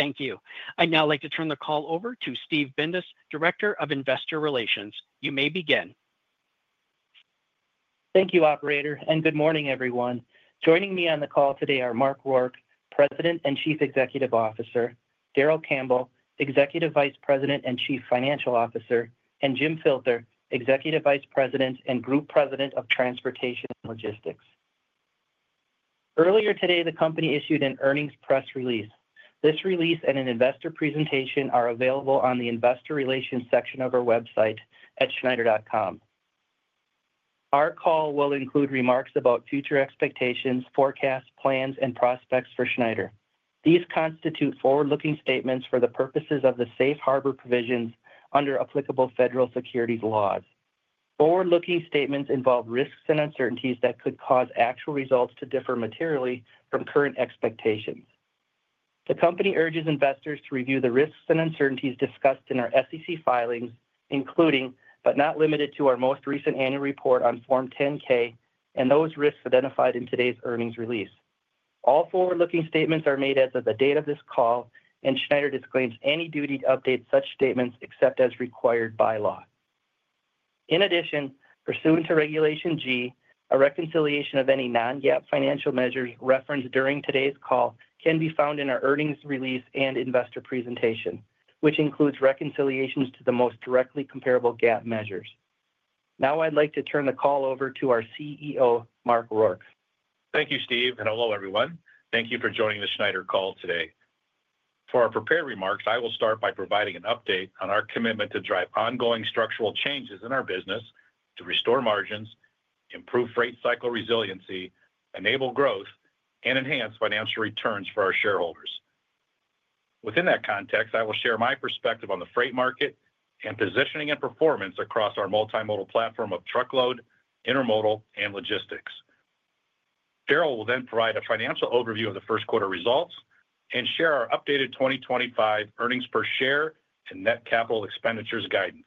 Thank you. I'd now like to turn the call over to Steve Bindas, Director of Investor Relations. You may begin. Thank you, operator, and good morning, everyone. Joining me on the call today are Mark Rourke, President and Chief Executive Officer; Darrell Campbell, Executive Vice President and Chief Financial Officer; and Jim Filter, Executive Vice President and Group President of Transportation and Logistics. Earlier today, the company issued an earnings press release. This release and an investor presentation are available on the Investor Relations section of our website at schneider.com. Our call will include remarks about future expectations, forecasts, plans, and prospects for Schneider. These constitute forward-looking statements for the purposes of the Safe Harbor provisions under applicable federal securities laws. Forward-looking statements involve risks and uncertainties that could cause actual results to differ materially from current expectations. The company urges investors to review the risks and uncertainties discussed in our SEC filings, including, but not limited to, our most recent annual report on Form 10-K and those risks identified in today's earnings release. All forward-looking statements are made as of the date of this call, and Schneider disclaims any duty to update such statements except as required by law. In addition, pursuant to Regulation G, a reconciliation of any non-GAAP financial measures referenced during today's call can be found in our earnings release and investor presentation, which includes reconciliations to the most directly comparable GAAP measures. Now I'd like to turn the call over to our CEO, Mark Rourke. Thank you, Steve, and hello, everyone. Thank you for joining the Schneider call today. For our prepared remarks, I will start by providing an update on our commitment to drive ongoing structural changes in our business to restore margins, improve freight cycle resiliency, enable growth, and enhance financial returns for our shareholders. Within that context, I will share my perspective on the freight market and positioning and performance across our multimodal platform of Truckload, Intermodal, and Logistics. Darrell will then provide a financial overview of the first quarter results and share our updated 2025 earnings per share and net capital expenditures guidance.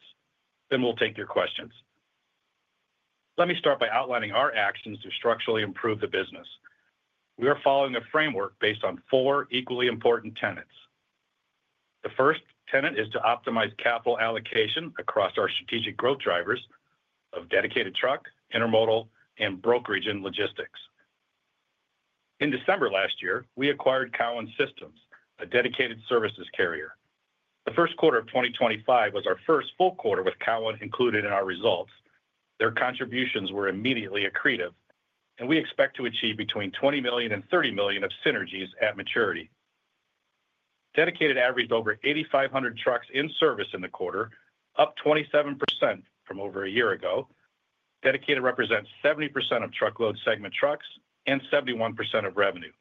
We will take your questions. Let me start by outlining our actions to structurally improve the business. We are following a framework based on four equally important tenets. The first tenet is to optimize capital allocation across our strategic growth drivers of Dedicated Truck, Intermodal, and brokerage and Logistics. In December last year, we acquired Cowan Systems, a Dedicated services carrier. The first quarter of 2025 was our first full quarter with Cowan included in our results. Their contributions were immediately accretive, and we expect to achieve between $20 million and $30 million of synergies at maturity. Dedicated averaged over 8,500 trucks in service in the quarter, up 27% from over a year ago. Dedicated represents 70% of Truckload segment trucks and 71% of revenue.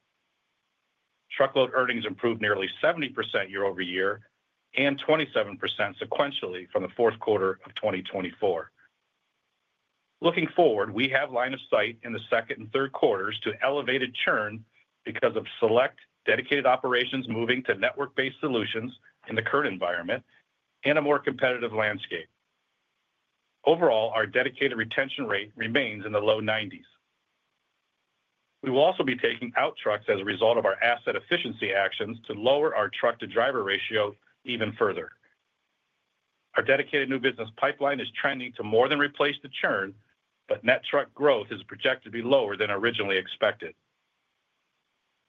Truckload earnings improved nearly 70% year-over-year and 27% sequentially from the fourth quarter of 2024. Looking forward, we have line of sight in the second and third quarters to elevated churn because of select Dedicated operations moving to network-based solutions in the current environment in a more competitive landscape. Overall, our Dedicated retention rate remains in the low 90%. We will also be taking out trucks as a result of our asset efficiency actions to lower our truck-to-driver ratio even further. Our Dedicated new business pipeline is trending to more than replace the churn, but net truck growth is projected to be lower than originally expected.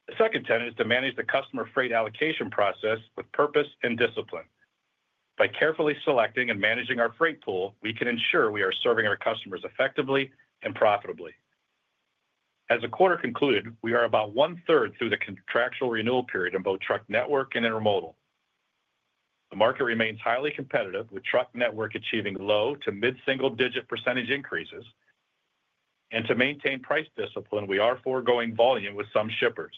The second tenet is to manage the customer freight allocation process with purpose and discipline. By carefully selecting and managing our freight pool, we can ensure we are serving our customers effectively and profitably. As the quarter concluded, we are about 1/3 through the contractual renewal period in both truck network and intermodal. The market remains highly competitive, with truck network achieving low to mid-single-digit percentage increases. To maintain price discipline, we are foregoing volume with some shippers.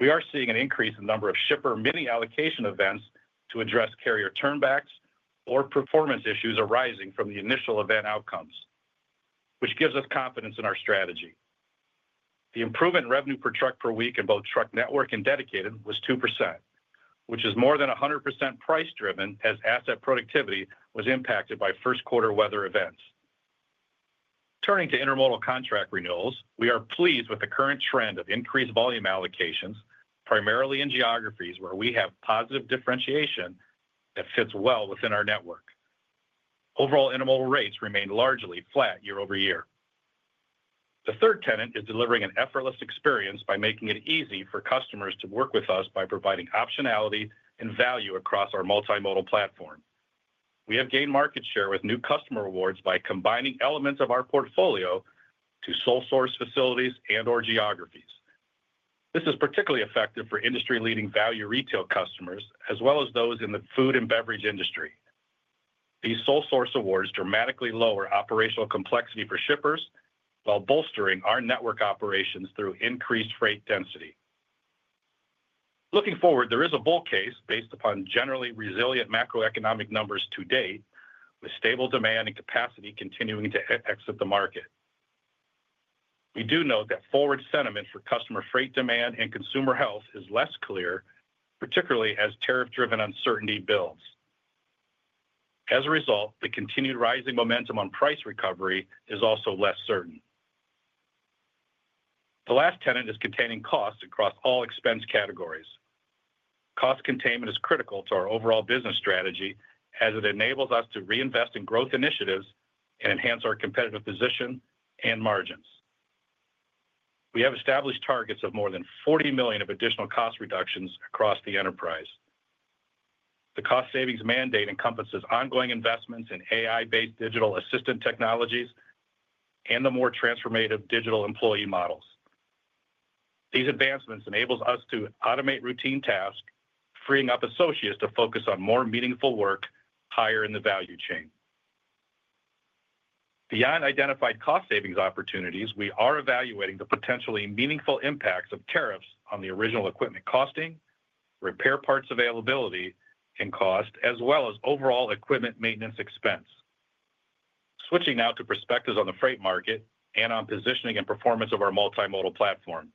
We are seeing an increase in the number of shipper mini-allocation events to address carrier turnbacks or performance issues arising from the initial event outcomes, which gives us confidence in our strategy. The improvement in revenue per truck per week in both truck network and Dedicated was 2%, which is more than 100% price-driven as asset productivity was impacted by first quarter weather events. Turning to intermodal contract renewals, we are pleased with the current trend of increased volume allocations, primarily in geographies where we have positive differentiation that fits well within our network. Overall, intermodal rates remain largely flat year-over-year. The third tenet is delivering an effortless experience by making it easy for customers to work with us by providing optionality and value across our multimodal platform. We have gained market share with new customer awards by combining elements of our portfolio to sole-source facilities and/or geographies. This is particularly effective for industry-leading value retail customers as well as those in the food and beverage industry. These sole-source awards dramatically lower operational complexity for shippers while bolstering our network operations through increased freight density. Looking forward, there is a bull case based upon generally resilient macroeconomic numbers to date, with stable demand and capacity continuing to exit the market. We do note that forward sentiment for customer freight demand and consumer health is less clear, particularly as tariff-driven uncertainty builds. As a result, the continued rising momentum on price recovery is also less certain. The last tenet is containing costs across all expense categories. Cost containment is critical to our overall business strategy as it enables us to reinvest in growth initiatives and enhance our competitive position and margins. We have established targets of more than $40 million of additional cost reductions across the enterprise. The cost savings mandate encompasses ongoing investments in AI-based digital assistant technologies and the more transformative digital employee models. These advancements enable us to automate routine tasks, freeing up associates to focus on more meaningful work higher in the value chain. Beyond identified cost savings opportunities, we are evaluating the potentially meaningful impacts of tariffs on the original equipment costing, repair parts availability and cost, as well as overall equipment maintenance expense. Switching now to perspectives on the freight market and on positioning and performance of our multimodal platform.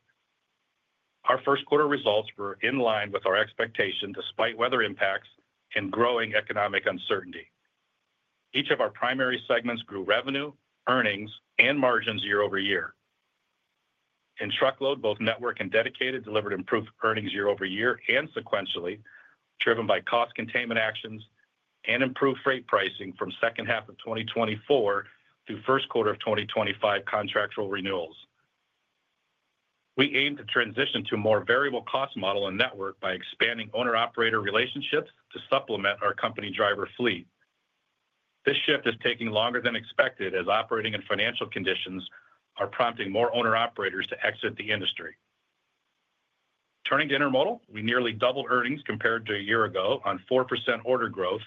Our first quarter results were in line with our expectations despite weather impacts and growing economic uncertainty. Each of our primary segments grew revenue, earnings, and margins year-over-year. In Truckload, both network and Dedicated delivered improved earnings year-over-year and sequentially, driven by cost containment actions and improved freight pricing from second half of 2024 through first quarter of 2025 contractual renewals. We aim to transition to a more variable cost model and network by expanding owner-operator relationships to supplement our company driver fleet. This shift is taking longer than expected as operating and financial conditions are prompting more owner-operators to exit the industry. Turning to intermodal, we nearly doubled earnings compared to a year ago on 4% order growth,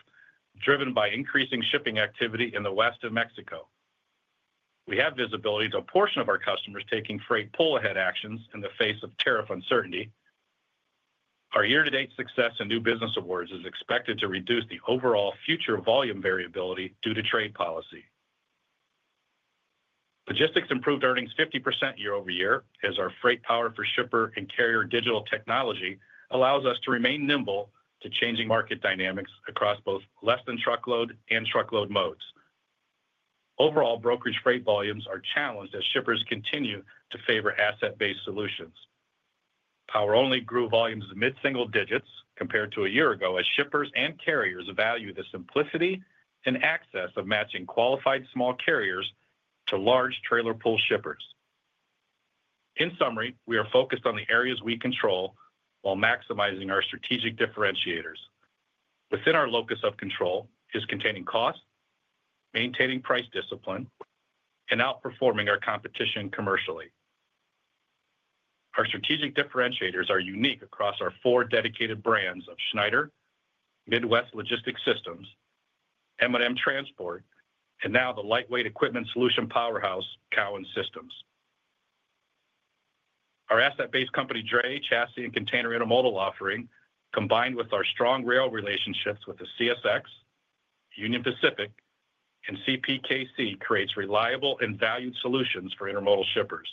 driven by increasing shipping activity in the west of Mexico. We have visibility to a portion of our customers taking freight pull-ahead actions in the face of tariff uncertainty. Our year-to-date success in new business awards is expected to reduce the overall future volume variability due to trade policy. Logistics improved earnings 50% year-over-year as our FreightPower for shipper and carrier digital technology allows us to remain nimble to changing market dynamics across both less-than-Truckload and Truckload modes. Overall, Brokerage freight volumes are challenged as shippers continue to favor asset-based solutions. Power-Only grew volumes in mid-single digits compared to a year ago as shippers and carriers value the simplicity and access of matching qualified small carriers to large trailer pull shippers. In summary, we are focused on the areas we control while maximizing our strategic differentiators. Within our locus of control is containing cost, maintaining price discipline, and outperforming our competition commercially. Our strategic differentiators are unique across our four Dedicated brands of Schneider, Midwest Logistics Systems, M&M Transport, and now the lightweight equipment solution powerhouse Cowan Systems. Our asset-based company DRAY, chassis and container intermodal offering, combined with our strong rail relationships with CSX, Union Pacific, and CPKC, creates reliable and valued solutions for intermodal shippers.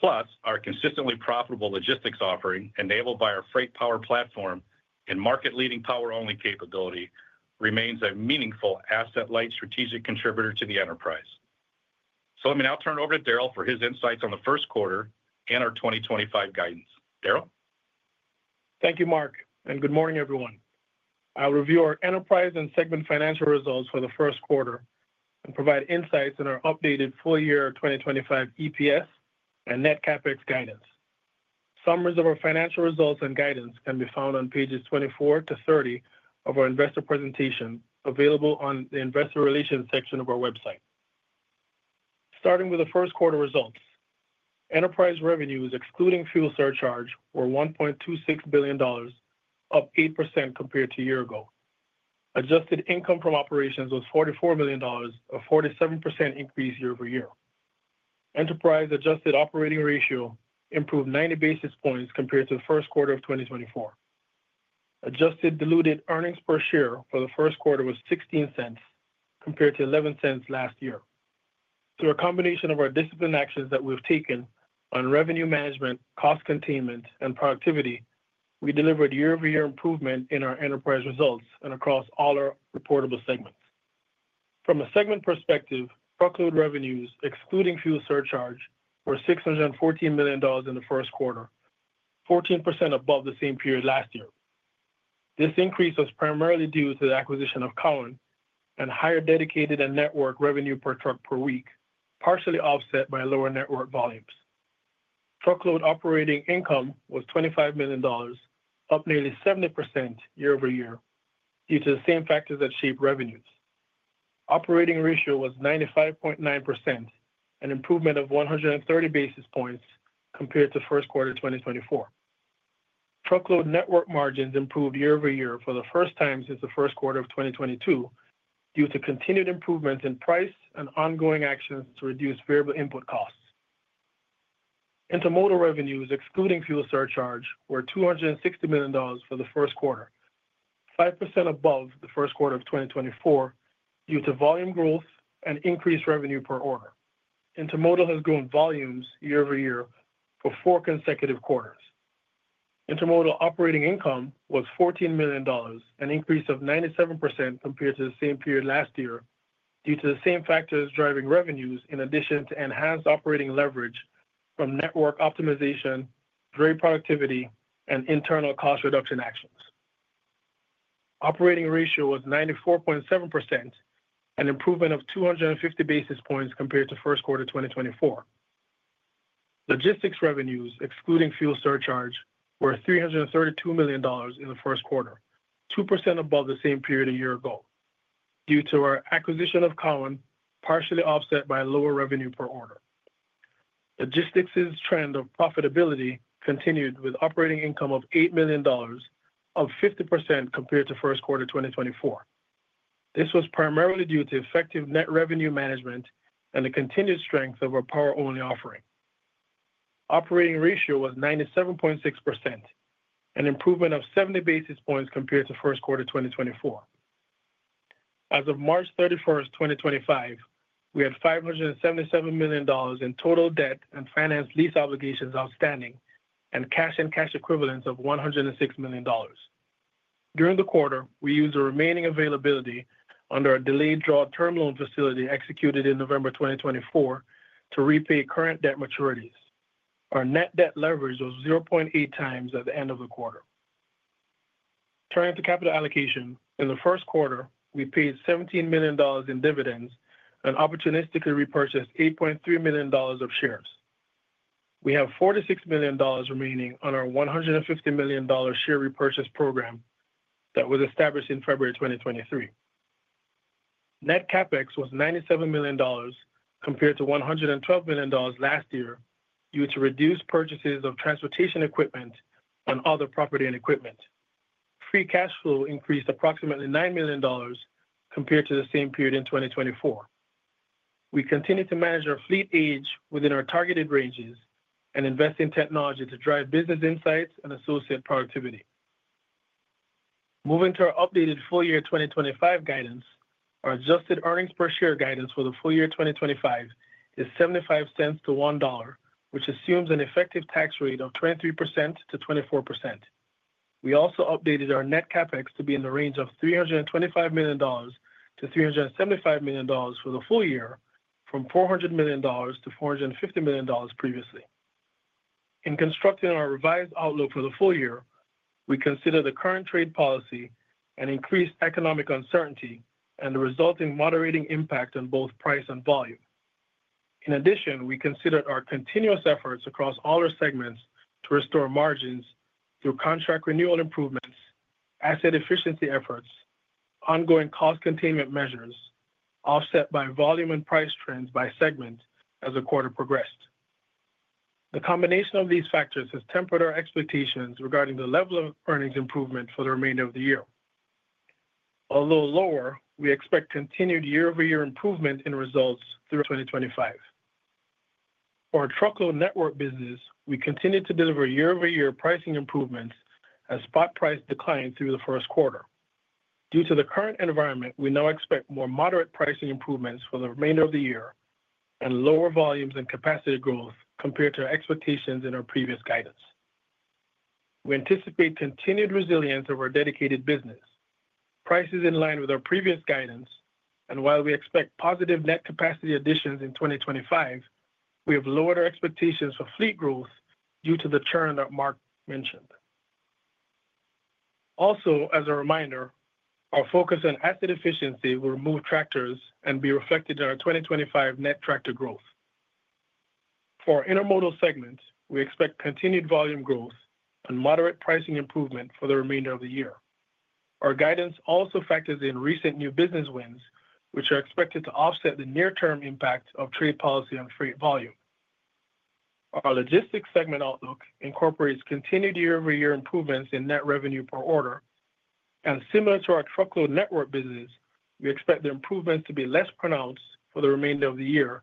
Plus, our consistently profitable logistics offering, enabled by our FreightPower platform and market-leading Power-Only capability, remains a meaningful asset-light strategic contributor to the enterprise. Let me now turn it over to Darrell for his insights on the first quarter and our 2025 guidance. Darrell? Thank you, Mark, and good morning, everyone. I'll review our enterprise and segment financial results for the first quarter and provide insights in our updated full-year 2025 EPS and net CapEx guidance. Summaries of our financial results and guidance can be found on pages 24 to 30 of our investor presentation, available on the Investor Relations section of our website. Starting with the first quarter results, enterprise revenues, excluding fuel surcharge, were $1.26 billion, up 8% compared to a year ago. Adjusted income from operations was $44 million, a 47% increase year-over-year. Enterprise adjusted operating ratio improved 90 basis points compared to the first quarter of 2024. Adjusted diluted earnings per share for the first quarter was $0.16 compared to $0.11 last year. Through a combination of our discipline actions that we've taken on revenue management, cost containment, and productivity, we delivered year-over-year improvement in our enterprise results and across all our reportable segments. From a segment perspective, Truckload revenues, excluding fuel surcharge, were $614 million in the first quarter, 14% above the same period last year. This increase was primarily due to the acquisition of Cowan and higher Dedicated and network revenue per truck per week, partially offset by lower network volumes. Truckload operating income was $25 million, up nearly 70% year-over-year due to the same factors that shape revenues. Operating ratio was 95.9%, an improvement of 130 basis points compared to first quarter 2024. Truckload network margins improved year-over-year for the first time since the first quarter of 2022 due to continued improvements in price and ongoing actions to reduce variable input costs. Intermodal revenues, excluding fuel surcharge, were $260 million for the first quarter, 5% above the first quarter of 2024 due to volume growth and increased revenue per order. Intermodal has grown volumes year-over-year for four consecutive quarters. Intermodal operating income was $14 million, an increase of 97% compared to the same period last year due to the same factors driving revenues in addition to enhanced operating leverage from network optimization, great productivity, and internal cost reduction actions. Operating ratio was 94.7%, an improvement of 250 basis points compared to first quarter 2024. Logistics revenues, excluding fuel surcharge, were $332 million in the first quarter, 2% above the same period a year ago due to our acquisition of Cowan, partially offset by lower revenue per order. Logistics' trend of profitability continued with operating income of $8 million, up 50% compared to first quarter 2024. This was primarily due to effective net revenue management and the continued strength of our power-only offering. Operating ratio was 97.6%, an improvement of 70 basis points compared to first quarter 2024. As of March 31st, 2025, we had $577 million in total debt and financed lease obligations outstanding and cash and cash equivalents of $106 million. During the quarter, we used the remaining availability under our delayed draw term loan facility executed in November 2024 to repay current debt maturities. Our net debt leverage was 0.8 times at the end of the quarter. Turning to capital allocation, in the first quarter, we paid $17 million in dividends and opportunistically repurchased $8.3 million of shares. We have $46 million remaining on our $150 million share repurchase program that was established in February 2023. Net CapEx was $97 million compared to $112 million last year due to reduced purchases of transportation equipment and other property and equipment. Free cash flow increased approximately $9 million compared to the same period in 2024. We continue to manage our fleet age within our targeted ranges and invest in technology to drive business insights and associate productivity. Moving to our updated full-year 2025 guidance, our adjusted earnings per share guidance for the full year 2025 is $0.75-$1, which assumes an effective tax rate of 23%-24%. We also updated our net CapEx to be in the range of $325 million-$375 million for the full year, from $400 million-$450 million previously. In constructing our revised outlook for the full year, we considered the current trade policy and increased economic uncertainty and the resulting moderating impact on both price and volume. In addition, we considered our continuous efforts across all our segments to restore margins through contract renewal improvements, asset efficiency efforts, ongoing cost containment measures offset by volume and price trends by segment as the quarter progressed. The combination of these factors has tempered our expectations regarding the level of earnings improvement for the remainder of the year. Although lower, we expect continued year-over-year improvement in results through 2025. For our Truckload network business, we continue to deliver year-over-year pricing improvements as spot price declined through the first quarter. Due to the current environment, we now expect more moderate pricing improvements for the remainder of the year and lower volumes and capacity growth compared to our expectations in our previous guidance. We anticipate continued resilience of our Dedicated business, prices in line with our previous guidance, and while we expect positive net capacity additions in 2025, we have lowered our expectations for fleet growth due to the churn that Mark mentioned. Also, as a reminder, our focus on asset efficiency will remove tractors and be reflected in our 2025 net tractor growth. For our intermodal segment, we expect continued volume growth and moderate pricing improvement for the remainder of the year. Our guidance also factors in recent new business wins, which are expected to offset the near-term impact of trade policy on freight volume. Our logistics segment outlook incorporates continued year-over-year improvements in net revenue per order, and similar to our Truckload network business, we expect the improvements to be less pronounced for the remainder of the year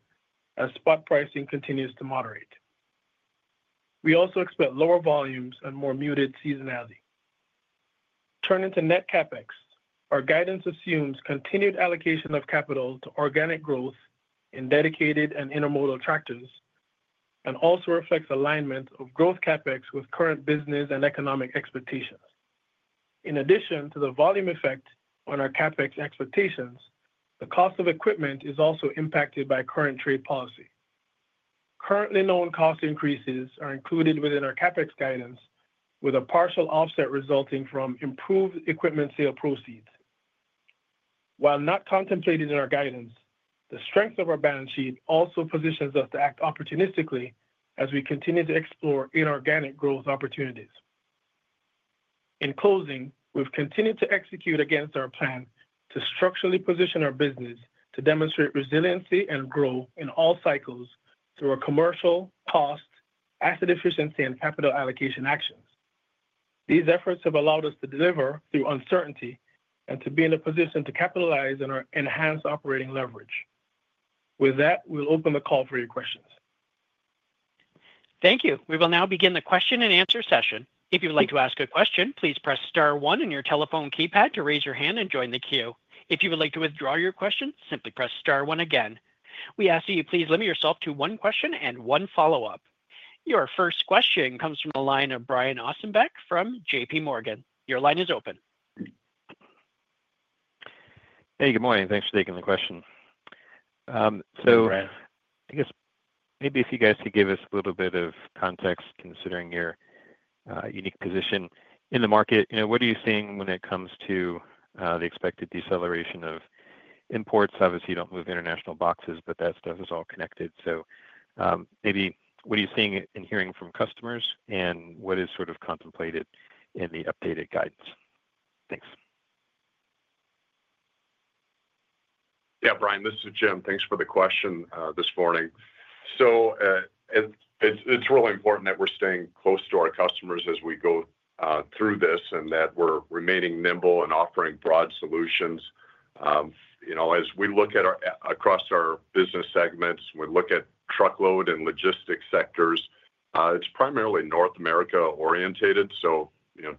as spot pricing continues to moderate. We also expect lower volumes and more muted seasonality. Turning to net CapEx, our guidance assumes continued allocation of capital to organic growth in Dedicated and intermodal tractors and also reflects alignment of growth CapEx with current business and economic expectations. In addition to the volume effect on our CapEx expectations, the cost of equipment is also impacted by current trade policy. Currently known cost increases are included within our CapEx guidance, with a partial offset resulting from improved equipment sale proceeds. While not contemplated in our guidance, the strength of our balance sheet also positions us to act opportunistically as we continue to explore inorganic growth opportunities. In closing, we've continued to execute against our plan to structurally position our business to demonstrate resiliency and growth in all cycles through our commercial, cost, asset efficiency, and capital allocation actions. These efforts have allowed us to deliver through uncertainty and to be in a position to capitalize on our enhanced operating leverage. With that, we'll open the call for your questions. Thank you. We will now begin the question-and-answer session. If you'd like to ask a question, please press star one on your telephone keypad to raise your hand and join the queue. If you would like to withdraw your question, simply press star one again. We ask that you please limit yourself to one question and one follow-up. Your first question comes from the line of Brian Ossenbeck from JPMorgan. Your line is open. Hey, good morning. Thanks for taking the question. Brian, I guess maybe if you guys could give us a little bit of context considering your unique position in the market, what are you seeing when it comes to the expected deceleration of imports? Obviously, you don't move international boxes, but that stuff is all connected. Maybe what are you seeing and hearing from customers, and what is sort of contemplated in the updated guidance? Thanks. Yeah, Brian, this is Jim. Thanks for the question this morning. It's really important that we're staying close to our customers as we go through this and that we're remaining nimble and offering broad solutions. As we look at across our business segments, we look at Truckload and logistics sectors. It's primarily North America-orientated, so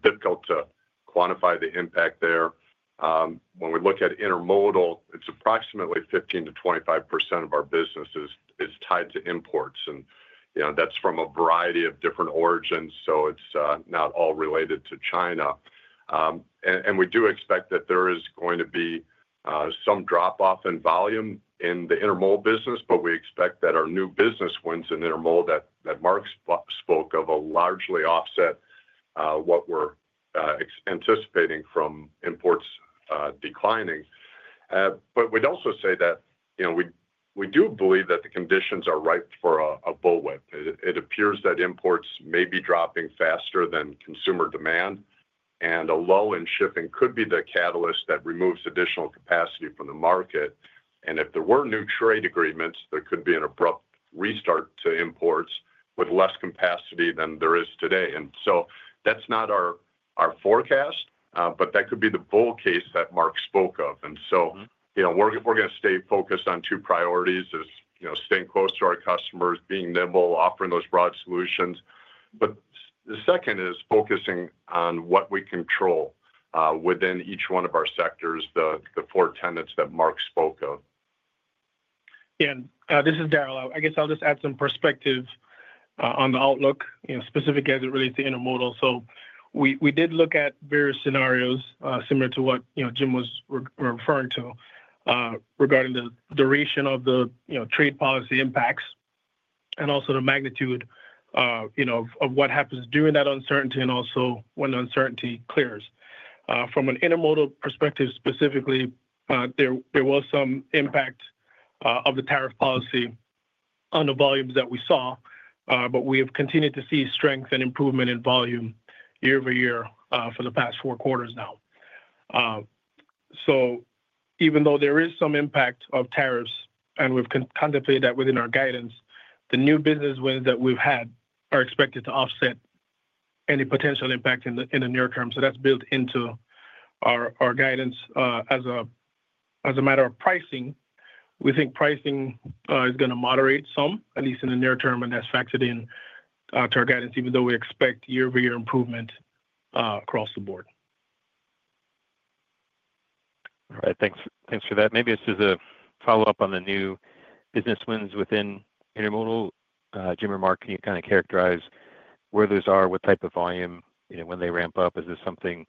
difficult to quantify the impact there. When we look at intermodal, it's approximately 15%-25% of our business is tied to imports, and that's from a variety of different origins, so it's not all related to China. We do expect that there is going to be some drop-off in volume in the intermodal business, but we expect that our new business wins in intermodal that Mark spoke of will largely offset what we're anticipating from imports declining. We'd also say that we do believe that the conditions are ripe for a bullwhip. It appears that imports may be dropping faster than consumer demand, and a lull in shipping could be the catalyst that removes additional capacity from the market. If there were new trade agreements, there could be an abrupt restart to imports with less capacity than there is today. That is not our forecast, but that could be the bull case that Mark spoke of. We are going to stay focused on two priorities: staying close to our customers, being nimble, offering those broad solutions. The second is focusing on what we control within each one of our sectors, the four tenets that Mark spoke of. Yeah, this is Darrell. I guess I'll just add some perspective on the outlook specifically as it relates to intermodal. We did look at various scenarios similar to what Jim was referring to regarding the duration of the trade policy impacts and also the magnitude of what happens during that uncertainty and also when the uncertainty clears. From an intermodal perspective specifically, there was some impact of the tariff policy on the volumes that we saw, but we have continued to see strength and improvement in volume year-over-year for the past four quarters now. Even though there is some impact of tariffs and we've contemplated that within our guidance, the new business wins that we've had are expected to offset any potential impact in the near term. That's built into our guidance. As a matter of pricing, we think pricing is going to moderate some, at least in the near term, and that's factored into our guidance, even though we expect year-over-year improvement across the board. All right. Thanks for that. Maybe this is a follow-up on the new business wins within intermodal. Jim or Mark, can you kind of characterize where those are, what type of volume, when they ramp up? Is this something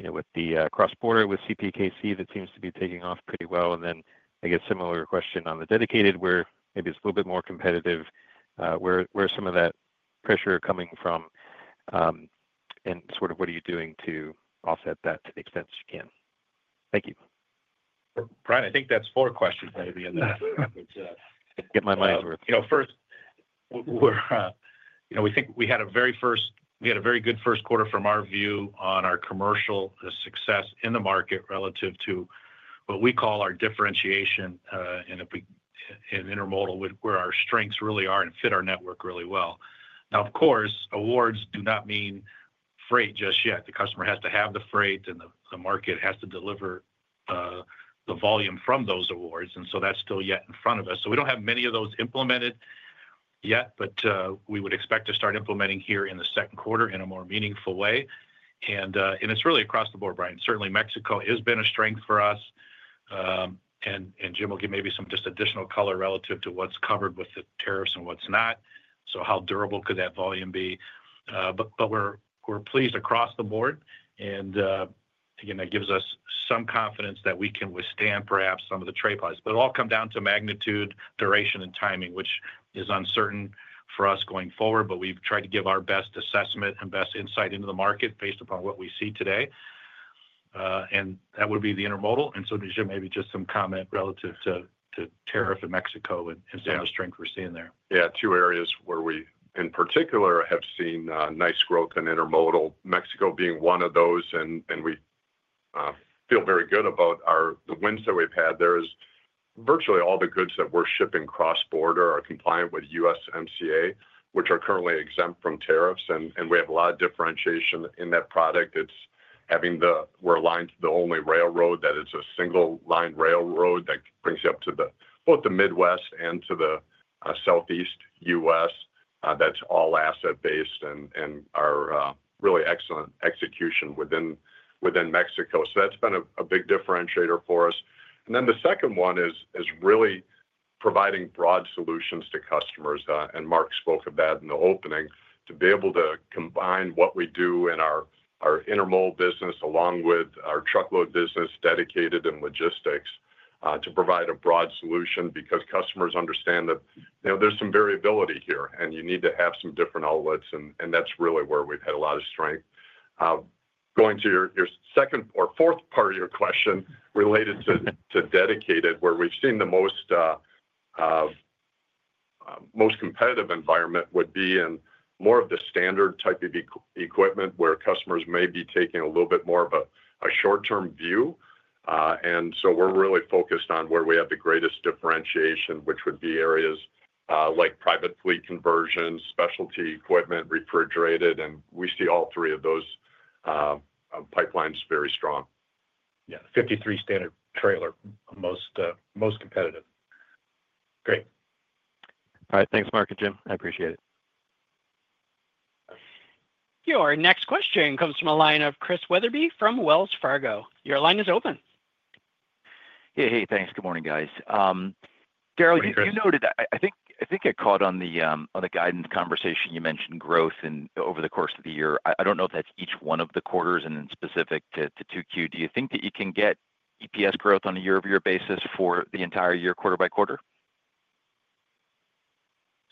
with the cross-border with CPKC that seems to be taking off pretty well? I guess a similar question on the Dedicated, where maybe it's a little bit more competitive. Where is some of that pressure coming from, and sort of what are you doing to offset that to the extent that you can? Thank you. Brian, I think that's four questions maybe and I woukd get my mind. First, we think we had a very good first quarter from our view on our commercial success in the market relative to what we call our differentiation in intermodal, where our strengths really are and fit our network really well. Now, of course, awards do not mean freight just yet. The customer has to have the freight, and the market has to deliver the volume from those awards, and that's still yet in front of us. We don't have many of those implemented yet, but we would expect to start implementing here in the second quarter in a more meaningful way. It's really across the board, Brian. Certainly, Mexico has been a strength for us, and Jim will give maybe some just additional color relative to what's covered with the tariffs and what's not. How durable could that volume be? We're pleased across the board. Again, that gives us some confidence that we can withstand perhaps some of the trade policies. It will all come down to magnitude, duration, and timing, which is uncertain for us going forward, but we've tried to give our best assessment and best insight into the market based upon what we see today. That would be the intermodal. Jim, maybe just some comment relative to tariff in Mexico instead of the strength we're seeing there. Two areas where we in particular have seen nice growth in intermodal, Mexico being one of those, and we feel very good about the wins that we've had. Virtually all the goods that we're shipping cross-border are compliant with USMCA, which are currently exempt from tariffs. We have a lot of differentiation in that product. We're aligned to the only railroad that is a single-line railroad that brings you up to both the Midwest and to the Southeast US. That's all asset-based and our really excellent execution within Mexico. That has been a big differentiator for us. The second one is really providing broad solutions to customers. Mark spoke of that in the opening, to be able to combine what we do in our intermodal business along with our Truckload business, Dedicated and logistics, to provide a broad solution because customers understand that there's some variability here, and you need to have some different outlets, and that's really where we've had a lot of strength. Going to your second or fourth part of your question related to Dedicated, where we've seen the most competitive environment would be in more of the standard type of equipment where customers may be taking a little bit more of a short-term view. We are really focused on where we have the greatest differentiation, which would be areas like private fleet conversions, specialty equipment, refrigerated, and we see all three of those pipelines very strong. Yeah, 53 standard trailer, most competitive Great. Thanks, Mark and Jim. I appreciate it. Our next question comes from a line of Chris Wetherbee from Wells Fargo. Your line is open. Hey, hey. Thanks. Good morning, guys. Darrell, you noted that I think I caught on the guidance conversation you mentioned growth over the course of the year. I don't know if that's each one of the quarters and then specific to 2Q. Do you think that you can get EPS growth on a year-over-year basis for the entire year, quarter-by-quarter?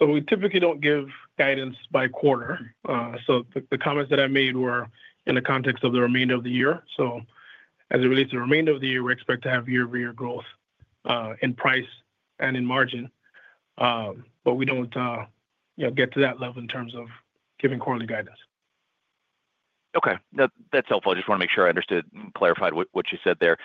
We typically don't give guidance by quarter. The comments that I made were in the context of the remainder of the year. As it relates to the remainder of the year, we expect to have year-over-year growth in price and in margin, but we don't get to that level in terms of giving quarterly guidance. Okay. That's helpful. I just want to make sure I understood and clarified what you said there.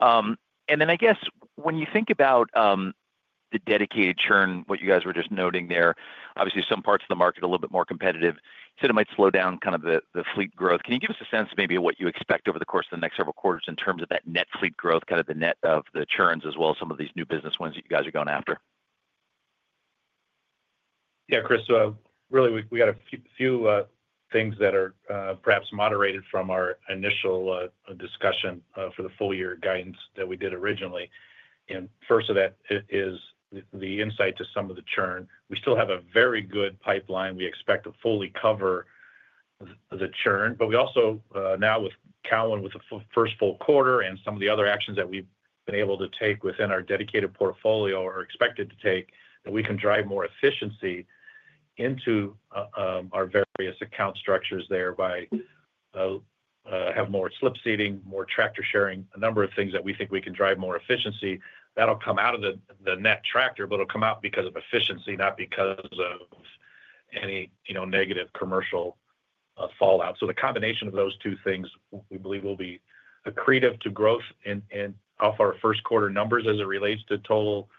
I guess when you think about the Dedicated churn, what you guys were just noting there, obviously some parts of the market are a little bit more competitive. You said it might slow down kind of the fleet growth. Can you give us a sense maybe of what you expect over the course of the next several quarters in terms of that net fleet growth, kind of the net of the churns as well as some of these new business wins that you guys are going after? Yeah, Chris, really we got a few things that are perhaps moderated from our initial discussion for the full-year guidance that we did originally. First of that is the insight to some of the churn. We still have a very good pipeline. We expect to fully cover the churn, but we also now with Cowan, with the first full quarter and some of the other actions that we've been able to take within our Dedicated portfolio or expected to take, that we can drive more efficiency into our various account structures there by have more slip seating, more tractor sharing, a number of things that we think we can drive more efficiency. That'll come out of the net tractor, but it'll come out because of efficiency, not because of any negative commercial fallout. The combination of those two things we believe will be accretive to growth in off our first quarter numbers as it relates to total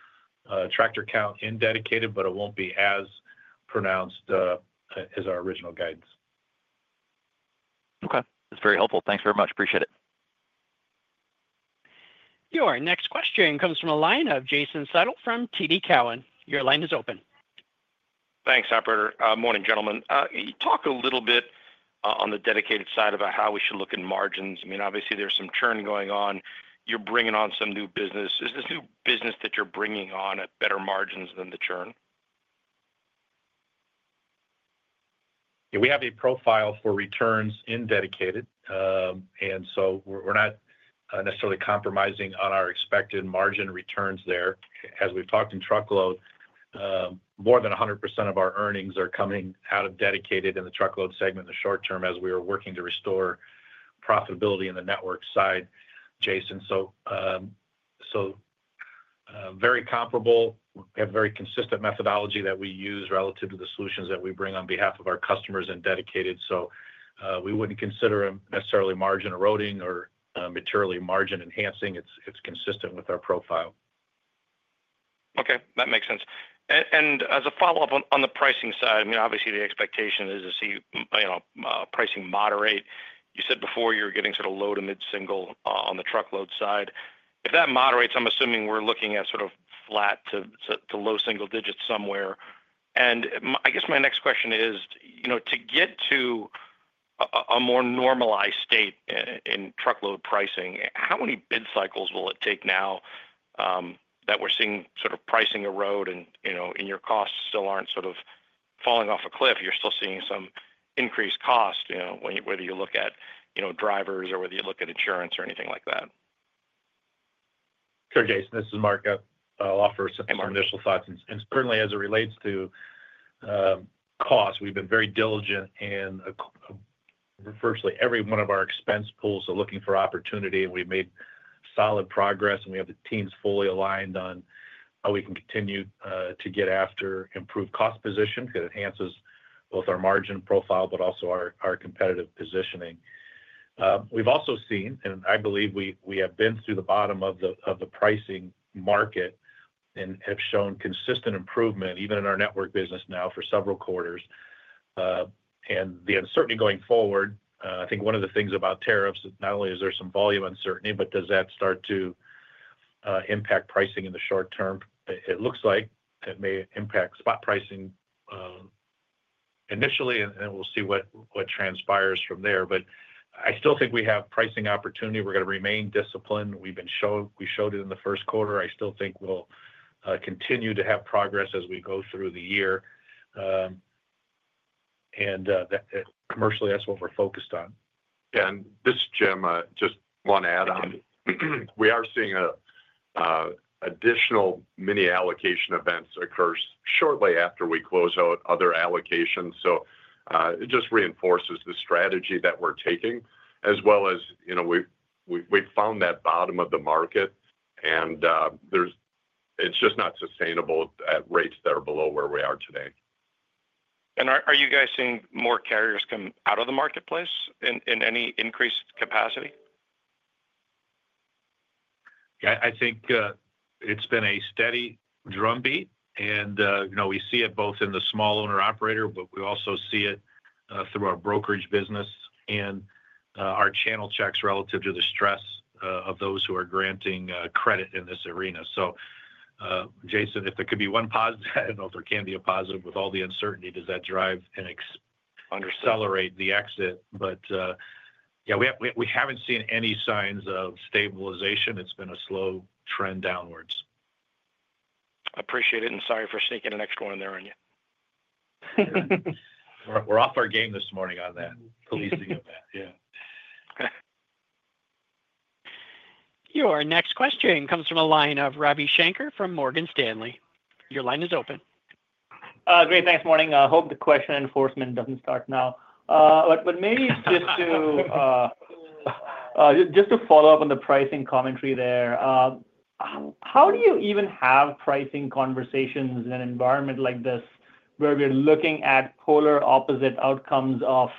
tractor count in Dedicated, but it won't be as pronounced as our original guidance. Okay. That's very helpful. Thanks very much. Appreciate it. Your next question comes from a line of Jason Seidl from TD Cowen. Your line is open. Thanks, operator. Morning, gentlemen. Can you talk a little bit on the Dedicated side about how we should look at margins? I mean, obviously there's some churn going on. You're bringing on some new business. Is this new business that you're bringing on at better margins than the churn? Yeah, we have a profile for returns in Dedicated, and so we're not necessarily compromising on our expected margin returns there. As we've talked in Truckload, more than 100% of our earnings are coming out of Dedicated in the Truckload segment in the short term as we are working to restore profitability in the network side, Jason. Very comparable. We have a very consistent methodology that we use relative to the solutions that we bring on behalf of our customers in Dedicated. We wouldn't consider them necessarily margin eroding or materially margin enhancing. It's consistent with our profile. Okay. That makes sense. As a follow-up on the pricing side, I mean, obviously the expectation is to see pricing moderate. You said before you were getting sort of low to mid-single on the Truckload side. If that moderates, I'm assuming we're looking at sort of flat to low single digits somewhere. I guess my next question is, to get to a more normalized state in Truckload pricing, how many bid cycles will it take now that we're seeing sort of pricing erode and your costs still aren't sort of falling off a cliff? You're still seeing some increased cost whether you look at drivers or whether you look at insurance or anything like that. Sure, Jason. This is Mark. I'll offer some initial thoughts. Certainly as it relates to cost, we've been very diligent in virtually every one of our expense pools looking for opportunity. We've made solid progress, and we have the teams fully aligned on how we can continue to get after improved cost position because it enhances both our margin profile, but also our competitive positioning. We've also seen, and I believe we have been through the bottom of the pricing market and have shown consistent improvement even in our network business now for several quarters. The uncertainty going forward, I think one of the things about tariffs not only is there some volume uncertainty, but does that start to impact pricing in the short term? It looks like it may impact spot pricing initially, and we'll see what transpires from there. I still think we have pricing opportunity. We're going to remain disciplined. We showed it in the first quarter. I still think we'll continue to have progress as we go through the year. Commercially, that's what we're focused on. Yeah. This is Jim, just want to add on. We are seeing additional mini allocation events occur shortly after we close out other allocations. It just reinforces the strategy that we're taking, as well as we've found that bottom of the market, and it's just not sustainable at rates that are below where we are today. Are you guys seeing more carriers come out of the marketplace in any increased capacity? I think it's been a steady drumbeat, and we see it both in the small owner operator, but we also see it through our Brokerage business and our channel checks relative to the stress of those who are granting credit in this arena. Jason, if there could be one positive, I don't know if there can be a positive. With all the uncertainty, does that drive and accelerate the exit? Yeah, we haven't seen any signs of stabilization. It's been a slow trend downwards. Appreciate it. Sorry for sneaking an extra one there on you. We're off our game this morning on that. Please do get that. Yeah. Your next question comes from a line of Ravi Shanker from Morgan Stanley. Your line is open. Great. Thanks, Martin. I hope the question enforcement does not start now. Maybe just to follow up on the pricing commentary there, how do you even have pricing conversations in an environment like this where we are looking at polar opposite outcomes of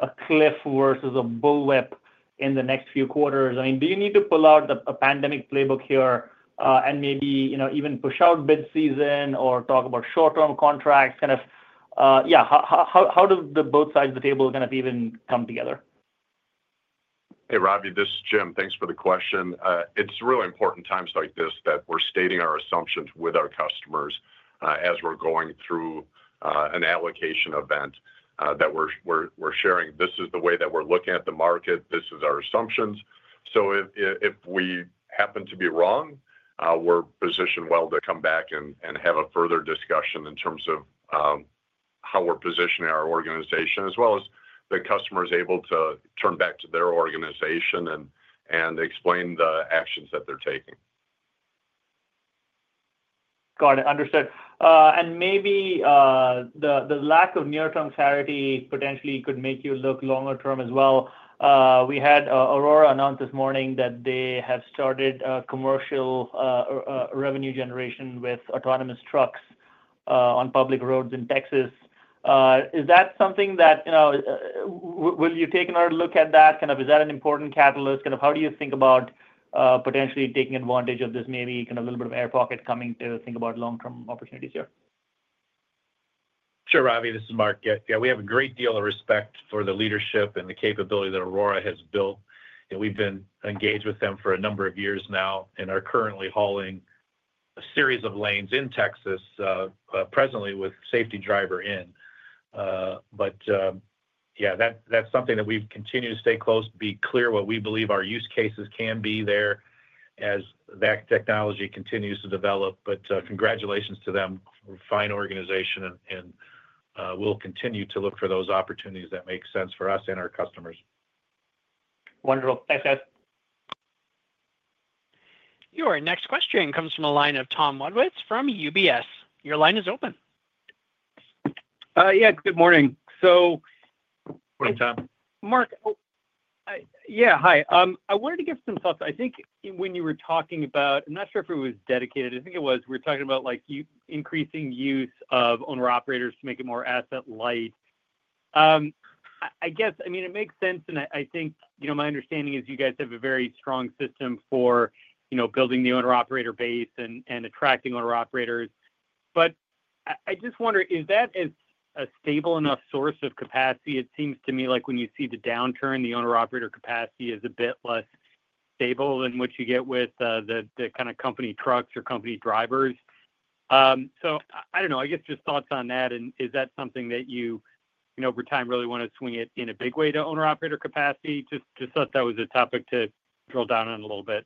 a cliff versus a bullwhip in the next few quarters? I mean, do you need to pull out a pandemic playbook here and maybe even push out bid season or talk about short-term contracts? Kind of, yeah, how do both sides of the table kind of even come together? Hey, Ravi, this is Jim. Thanks for the question. It's really important times like this that we're stating our assumptions with our customers as we're going through an allocation event that we're sharing. This is the way that we're looking at the market. This is our assumptions. If we happen to be wrong, we're positioned well to come back and have a further discussion in terms of how we're positioning our organization, as well as the customer is able to turn back to their organization and explain the actions that they're taking. Got it. Understood. Maybe the lack of near-term clarity potentially could make you look longer-term as well. We had Aurora announce this morning that they have started commercial revenue generation with autonomous trucks on public roads in Texas. Is that something that will you take another look at? Kind of, is that an important catalyst? Kind of, how do you think about potentially taking advantage of this? Maybe kind of a little bit of air pocket coming to think about long-term opportunities here. Sure, Ravi. This is Mark. Yeah, we have a great deal of respect for the leadership and the capability that Aurora has built. We've been engaged with them for a number of years now and are currently hauling a series of lanes in Texas presently with safety driver in. Yeah, that's something that we've continued to stay close to be clear what we believe our use cases can be there as that technology continues to develop. Congratulations to them. We're a fine organization, and we'll continue to look for those opportunities that make sense for us and our customers. Wonderful. Thanks, guys. Your next question comes from a line of Tom Wadewitz from UBS. Your line is open. Yeah. Good morning. Morning, Tom. Mark. Yeah, hi. I wanted to get some thoughts. I think when you were talking about, I'm not sure if it was Dedicated. I think it was. We were talking about increasing use of owner operators to make it more asset-light. I guess, I mean, it makes sense, and I think my understanding is you guys have a very strong system for building the owner operator base and attracting owner operators. I just wonder, is that a stable enough source of capacity? It seems to me like when you see the downturn, the owner operator capacity is a bit less stable than what you get with the kind of company trucks or company drivers. I don't know. I guess just thoughts on that. Is that something that you over time really want to swing it in a big way to owner operator capacity? Just thought that was a topic to drill down on a little bit.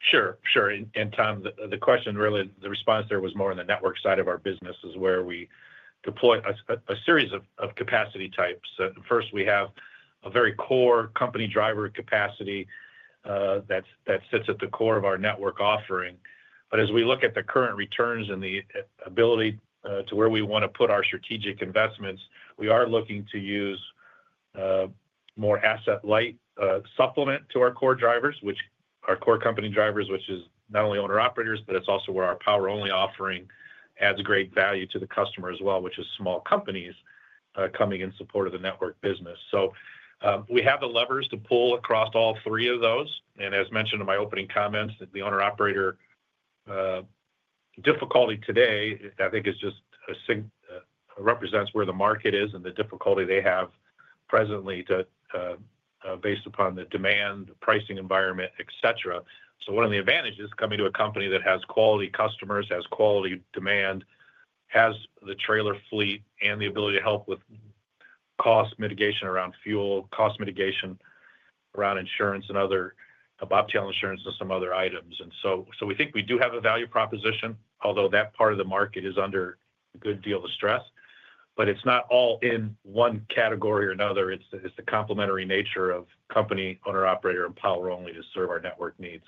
Sure. Sure. Tom, the question really, the response there was more on the network side of our business is where we deploy a series of capacity types. First, we have a very core company driver capacity that sits at the core of our network offering. As we look at the current returns and the ability to where we want to put our strategic investments, we are looking to use more asset-light supplement to our core drivers, which are core company drivers, which is not only owner operators, but it is also where our power-only offering adds great value to the customer as well, which is small companies coming in support of the network business. We have the levers to pull across all three of those. As mentioned in my opening comments, the owner operator difficulty today, I think, just represents where the market is and the difficulty they have presently based upon the demand, pricing environment, etc. One of the advantages coming to a company that has quality customers, has quality demand, has the trailer fleet, and the ability to help with cost mitigation around fuel, cost mitigation around insurance and other Bobtail Insurance and some other items. We think we do have a value proposition, although that part of the market is under a good deal of stress. It is not all in one category or another. It is the complementary nature of company owner operator and power-only to serve our network needs.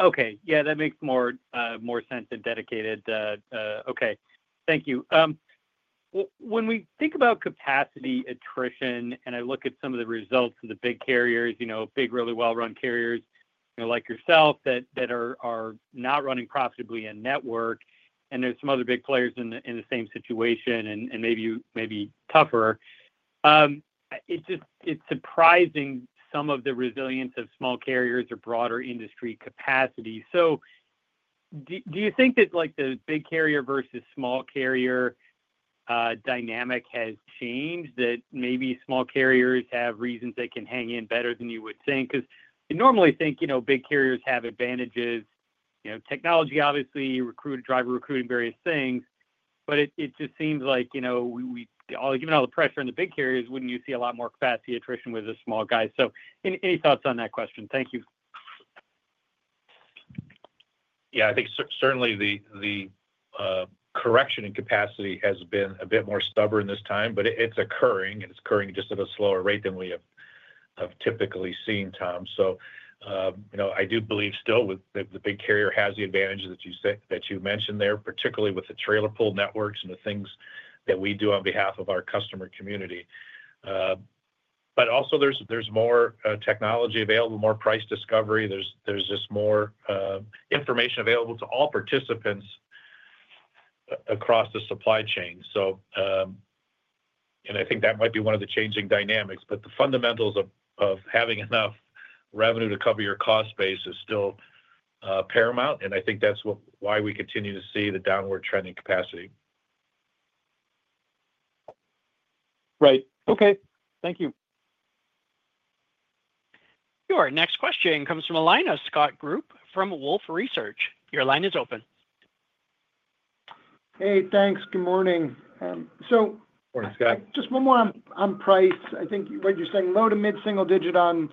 Okay. Yeah, that makes more sense than Dedicated. Okay. Thank you. When we think about capacity attrition and I look at some of the results of the big carriers, big really well-run carriers like yourself that are not running profitably in network, and there are some other big players in the same situation and maybe tougher, it's surprising some of the resilience of small carriers or broader industry capacity. Do you think that the big carrier versus small carrier dynamic has changed, that maybe small carriers have reasons they can hang in better than you would think? Because you normally think big carriers have advantages, technology, obviously, driver recruiting, various things, but it just seems like given all the pressure on the big carriers, wouldn't you see a lot more capacity attrition with the small guys? Any thoughts on that question? Thank you. Yeah. I think certainly the correction in capacity has been a bit more stubborn this time, but it's occurring, and it's occurring just at a slower rate than we have typically seen, Tom. I do believe still the big carrier has the advantages that you mentioned there, particularly with the trailer pool networks and the things that we do on behalf of our customer community. There is also more technology available, more price discovery. There is just more information available to all participants across the supply chain. I think that might be one of the changing dynamics. The fundamentals of having enough revenue to cover your cost base is still paramount, and I think that's why we continue to see the downward trend in capacity. Right. Okay. Thank you. Your next question comes from Scott Group from Wolfe Research. Your line is open. Hey, thanks. Good morning. Morning, Scott. Just one more on price. I think you're saying low to mid-single digit on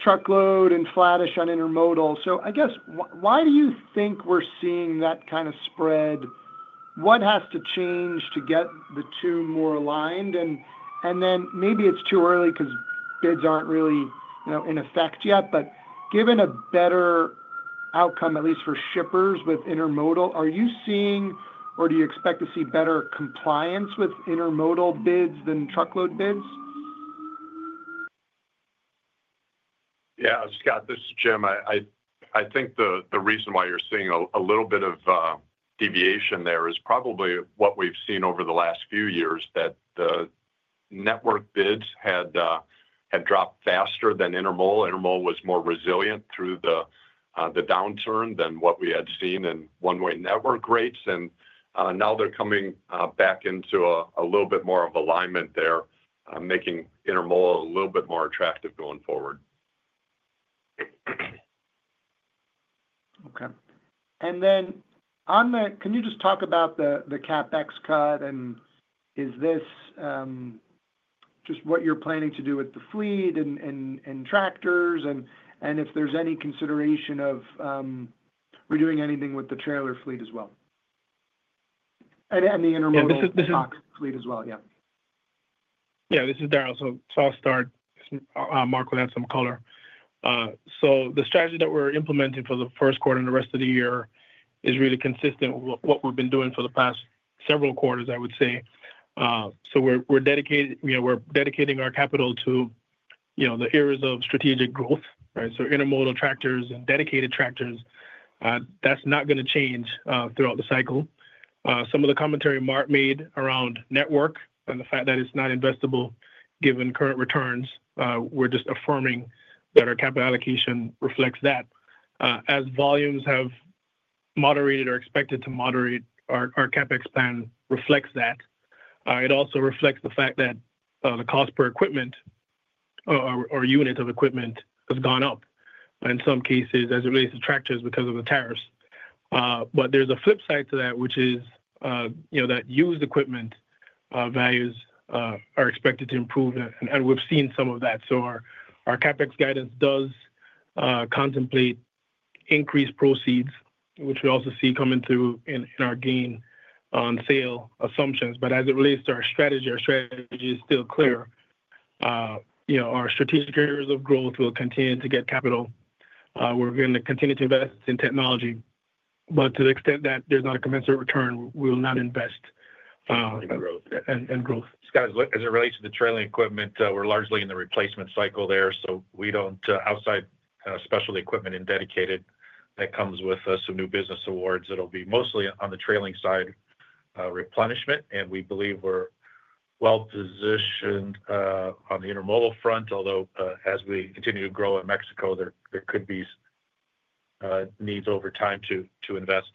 Truckload and flattish on intermodal. I guess, why do you think we're seeing that kind of spread? What has to change to get the two more aligned? Maybe it's too early because bids aren't really in effect yet. Given a better outcome, at least for shippers with intermodal, are you seeing or do you expect to see better compliance with intermodal bids than Truckload bids? Yeah. Scott, this is Jim. I think the reason why you're seeing a little bit of deviation there is probably what we've seen over the last few years, that the network bids had dropped faster than intermodal. Intermodal was more resilient through the downturn than what we had seen in one-way network rates. Now they're coming back into a little bit more of alignment there, making intermodal a little bit more attractive going forward. Okay. Can you just talk about the CapEx cut? Is this just what you're planning to do with the fleet and tractors? Is there any consideration of redoing anything with the trailer fleet as well, and the intermodal stock fleet as well? Yeah. This is Darrell. I'll start. Mark will add some color. The strategy that we're implementing for the first quarter and the rest of the year is really consistent with what we've been doing for the past several quarters, I would say. We're dedicating our capital to the areas of strategic growth, right? Intermodal tractors and Dedicated tractors, that's not going to change throughout the cycle. Some of the commentary Mark made around network and the fact that it's not investable given current returns, we're just affirming that our capital allocation reflects that. As volumes have moderated or are expected to moderate, our CapEx plan reflects that. It also reflects the fact that the cost per equipment or unit of equipment has gone up in some cases as it relates to tractors because of the tariffs. There is a flip side to that, which is that used equipment values are expected to improve, and we've seen some of that. Our CapEx guidance does contemplate increased proceeds, which we also see coming through in our gain on sale assumptions. As it relates to our strategy, our strategy is still clear. Our strategic areas of growth will continue to get capital. We're going to continue to invest in technology. To the extent that there's not a commensurate return, we will not invest in growth. Scott, as it relates to the trailing equipment, we're largely in the replacement cycle there. We don't, outside specialty equipment and Dedicated that comes with some new business awards, it'll be mostly on the trailing side replenishment. We believe we're well-positioned on the intermodal front, although as we continue to grow in Mexico, there could be needs over time to invest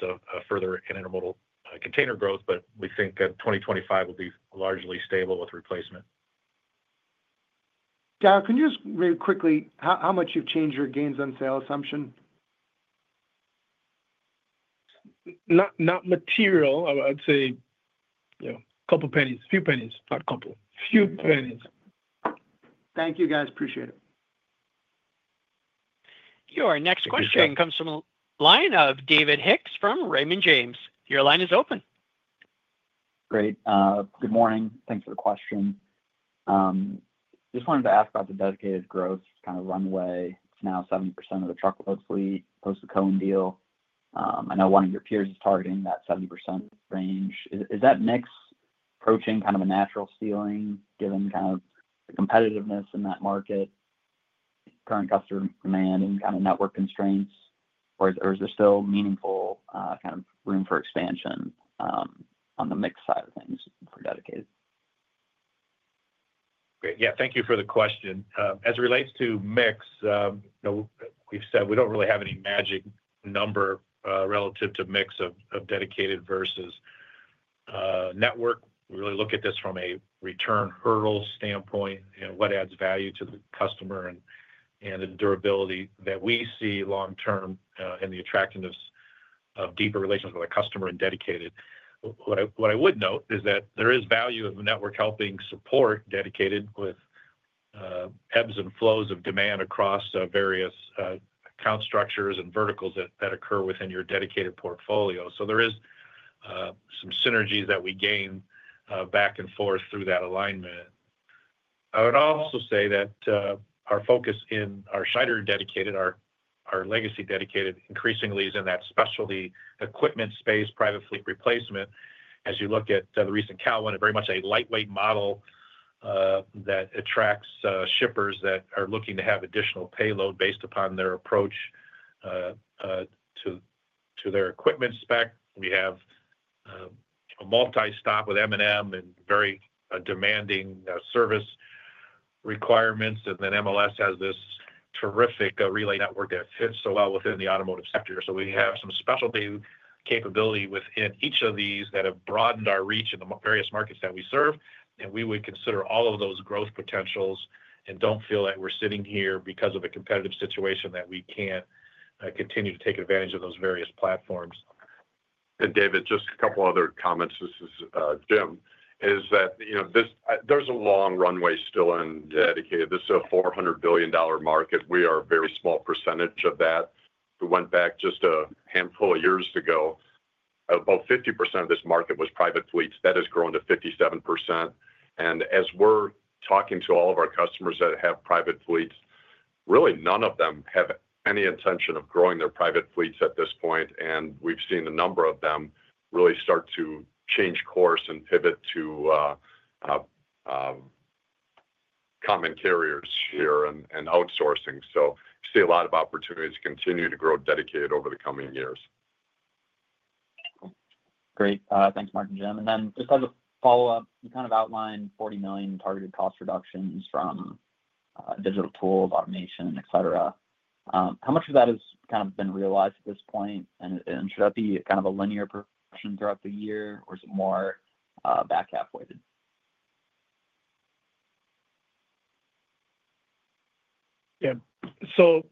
further in intermodal container growth. We think 2025 will be largely stable with replacement. Darrell, can you just very quickly, how much you've changed your gains on sale assumption? Not material. I'd say a couple pennies, a few pennies, not a couple. Few pennies. Thank you, guys. Appreciate it. Your next question comes from a line of David Hicks from Raymond James. Your line is open. Great. Good morning. Thanks for the question. Just wanted to ask about the Dedicated growth, kind of runway. It's now 70% of the Truckload fleet post the Cowan deal. I know one of your peers is targeting that 70% range. Is that mix approaching kind of a natural ceiling given kind of the competitiveness in that market, current customer demand, and kind of network constraints? Is there still meaningful kind of room for expansion on the mix side of things for Dedicated? Great. Yeah. Thank you for the question. As it relates to mix, we've said we don't really have any magic number relative to mix of Dedicated versus network. We really look at this from a return hurdle standpoint and what adds value to the customer and the durability that we see long-term and the attractiveness of deeper relations with our customer and Dedicated. What I would note is that there is value of network helping support Dedicated with ebbs and flows of demand across various account structures and verticals that occur within your Dedicated portfolio. There is some synergies that we gain back and forth through that alignment. I would also say that our focus in our Schneider Dedicated, our legacy Dedicated, increasingly is in that specialty equipment space, private fleet replacement. As you look at the recent Cowan, very much a lightweight model that attracts shippers that are looking to have additional payload based upon their approach to their equipment spec. We have a multi-stop with M&M and very demanding service requirements. MLS has this terrific relay network that fits so well within the automotive sector. We have some specialty capability within each of these that have broadened our reach in the various markets that we serve. We would consider all of those growth potentials and do not feel that we are sitting here because of a competitive situation that we cannot continue to take advantage of those various platforms. David, just a couple other comments. This is Jim. There is a long runway still in Dedicated. This is a $400 billion market. We are a very small percentage of that. We went back just a handful of years ago. About 50% of this market was private fleets. That has grown to 57%. As we're talking to all of our customers that have private fleets, really none of them have any intention of growing their private fleets at this point. We have seen a number of them really start to change course and pivot to common carriers here and outsourcing. We see a lot of opportunities to continue to grow Dedicated over the coming years. Great. Thanks, Mark and Jim. Just as a follow-up, you kind of outlined $40 million targeted cost reductions from digital tools, automation, etc. How much of that has kind of been realized at this point? Should that be kind of a linear progression throughout the year, or is it more back halfway? Yeah.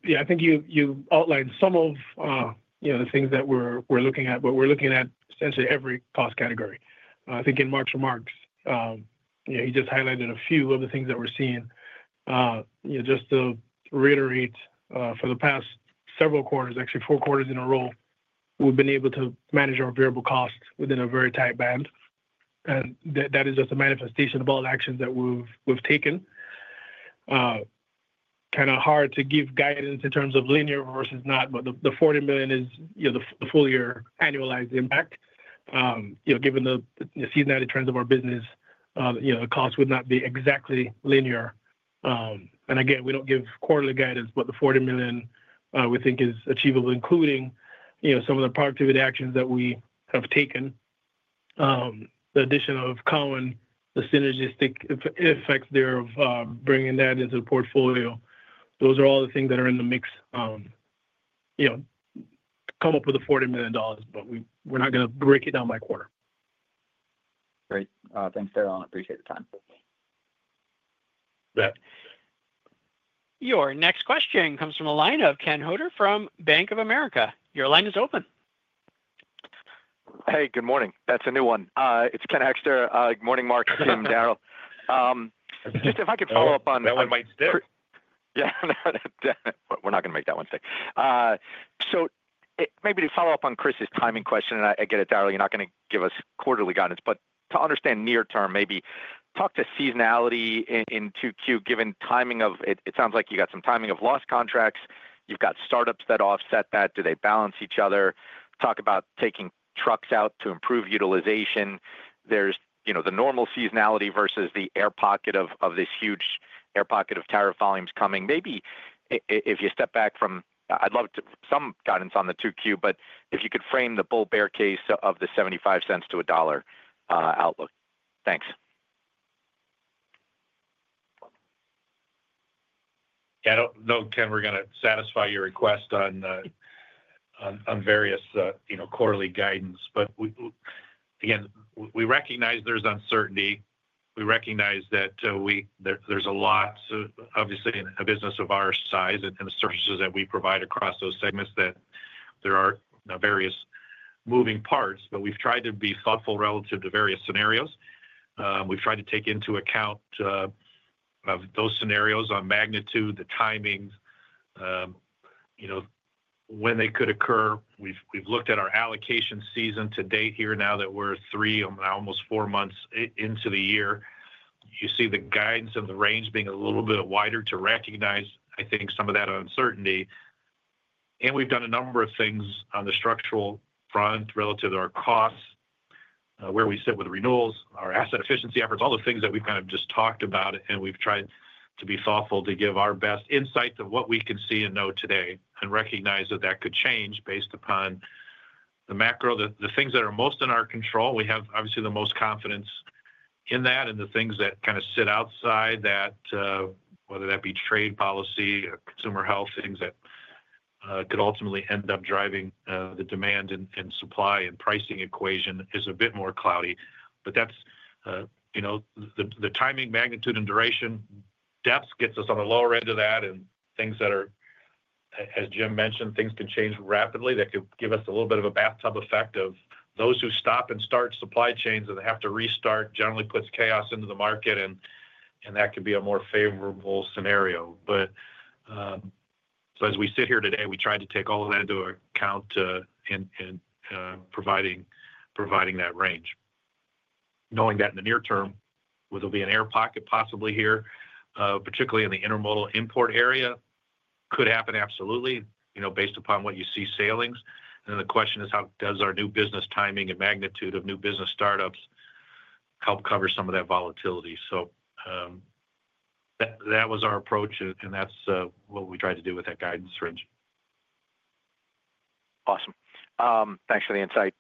Yeah, I think you outlined some of the things that we're looking at, but we're looking at essentially every cost category. I think in Mark's remarks, he just highlighted a few of the things that we're seeing. Just to reiterate, for the past several quarters, actually four quarters in a row, we've been able to manage our variable costs within a very tight band. That is just a manifestation of all the actions that we've taken. Kind of hard to give guidance in terms of linear versus not, but the $40 million is the full year annualized impact. Given the seasonality trends of our business, the cost would not be exactly linear. Again, we don't give quarterly guidance, but the $40 million we think is achievable, including some of the productivity actions that we have taken. The addition of Cowan, the synergistic effects there of bringing that into the portfolio. Those are all the things that are in the mix. Come up with the $40 million, but we're not going to break it down by quarter. Great. Thanks, Darrell. I appreciate the time. Your next question comes from a line of Ken Hoexter from Bank of America. Your line is open. Hey, good morning. That's a new one. It's Ken Hoelter. Good morning, Mark and Darrell. Just if I could follow up on. Yeah. We're not going to make that one stick. Maybe to follow up on Chris's timing question, and I get it, Darrell, you're not going to give us quarterly guidance, but to understand near-term, maybe talk to seasonality into Q given timing of it sounds like you got some timing of lost contracts. You've got startups that offset that. Do they balance each other? Talk about taking trucks out to improve utilization. There's the normal seasonality versus the air pocket of this huge air pocket of tariff volumes coming. Maybe if you step back from I'd love some guidance on the 2Q, but if you could frame the bull bear case of the $0.75-$1 outlook. Thanks. Yeah. I don't know, Ken, we're going to satisfy your request on various quarterly guidance. Again, we recognize there's uncertainty. We recognize that there's a lot, obviously, in a business of our size and the services that we provide across those segments that there are various moving parts. We've tried to be thoughtful relative to various scenarios. We've tried to take into account those scenarios on magnitude, the timings, when they could occur. We've looked at our allocation season to date here now that we're three, almost four months into the year. You see the guidance of the range being a little bit wider to recognize, I think, some of that uncertainty. We've done a number of things on the structural front relative to our costs, where we sit with renewals, our asset efficiency efforts, all the things that we've kind of just talked about. We have tried to be thoughtful to give our best insight to what we can see and know today and recognize that that could change based upon the macro, the things that are most in our control. We have obviously the most confidence in that and the things that kind of sit outside that, whether that be trade policy, consumer health, things that could ultimately end up driving the demand and supply and pricing equation is a bit more cloudy. That is the timing, magnitude, and duration depth gets us on the lower end of that. Things that are, as Jim mentioned, things can change rapidly that could give us a little bit of a bathtub effect of those who stop and start supply chains and have to restart generally puts chaos into the market. That could be a more favorable scenario. As we sit here today, we tried to take all of that into account in providing that range. Knowing that in the near term, there will be an air pocket possibly here, particularly in the intermodal import area. Could happen, absolutely, based upon what you see sailings. The question is, how does our new business timing and magnitude of new business startups help cover some of that volatility? That was our approach, and that is what we tried to do with that guidance range. Awesome. Thanks for the insight.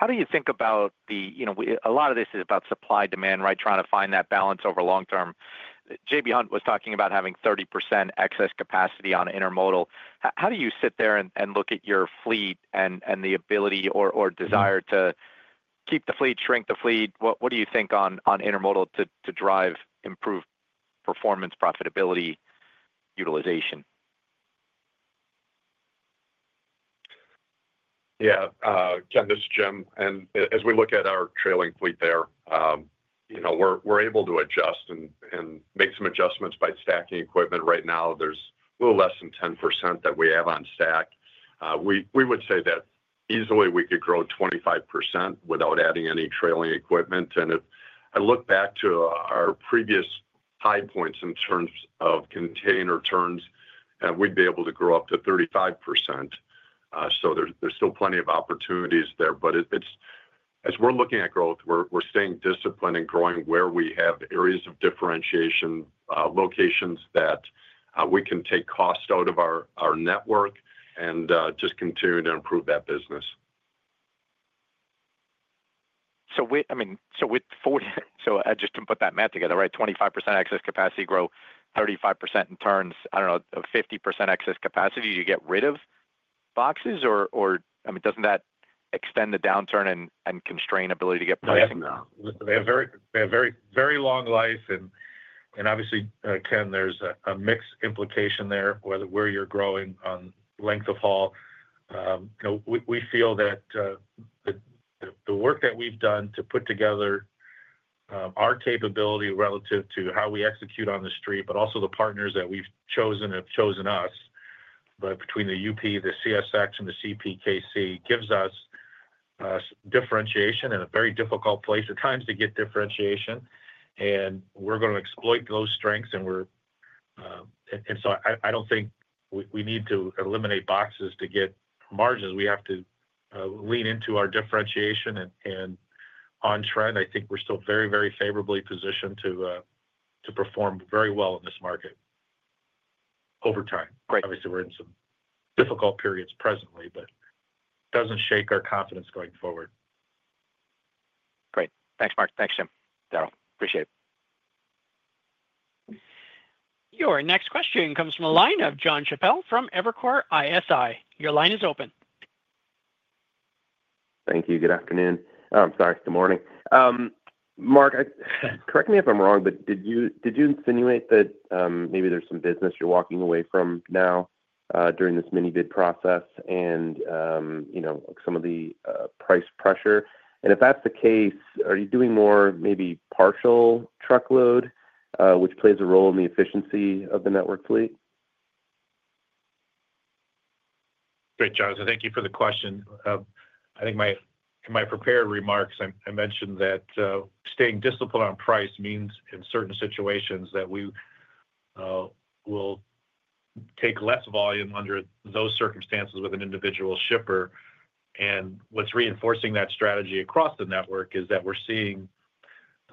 How do you think about the, a lot of this is about supply demand, right? Trying to find that balance over long-term. JB Hunt was talking about having 30% excess capacity on intermodal. How do you sit there and look at your fleet and the ability or desire to keep the fleet, shrink the fleet? What do you think on intermodal to drive improved performance, profitability, utilization? Yeah. Ken, this is Jim. As we look at our trailing fleet there, we're able to adjust and make some adjustments by stacking equipment. Right now, there's a little less than 10% that we have on stack. We would say that easily we could grow 25% without adding any trailing equipment. If I look back to our previous high points in terms of container turns, we'd be able to grow up to 35%. There are still plenty of opportunities there. As we're looking at growth, we're staying disciplined and growing where we have areas of differentiation, locations that we can take cost out of our network and just continue to improve that business. I mean, with 40, just to put that math together, right? 25% excess capacity, grow 35% in turns, I don't know, 50% excess capacity. Do you get rid of boxes? I mean, doesn't that extend the downturn and constrain ability to get pricing? Yeah. They have very long life. Obviously, Ken, there's a mixed implication there, whether where you're growing on length of haul. We feel that the work that we've done to put together our capability relative to how we execute on the street, but also the partners that we've chosen have chosen us, but between the UP, the CSX, and the CPKC gives us differentiation in a very difficult place at times to get differentiation. We're going to exploit those strengths. I don't think we need to eliminate boxes to get margins. We have to lean into our differentiation. On trend, I think we're still very, very favorably positioned to perform very well in this market over time. Obviously, we're in some difficult periods presently, but it doesn't shake our confidence going forward. Great. Thanks, Mark. Thanks, Jim. Darrell, appreciate it. Your next question comes from a line of Jon Chappell from Evercore ISI. Your line is open. Thank you. Good afternoon. Oh, I'm sorry. Good morning. Mark, correct me if I'm wrong, but did you insinuate that maybe there's some business you're walking away from now during this mini-bid process and some of the price pressure? And if that's the case, are you doing more maybe partial Truckload, which plays a role in the efficiency of the network fleet? Great, Jonathan. Thank you for the question. I think in my prepared remarks, I mentioned that staying disciplined on price means in certain situations that we will take less volume under those circumstances with an individual shipper. What is reinforcing that strategy across the network is that we are seeing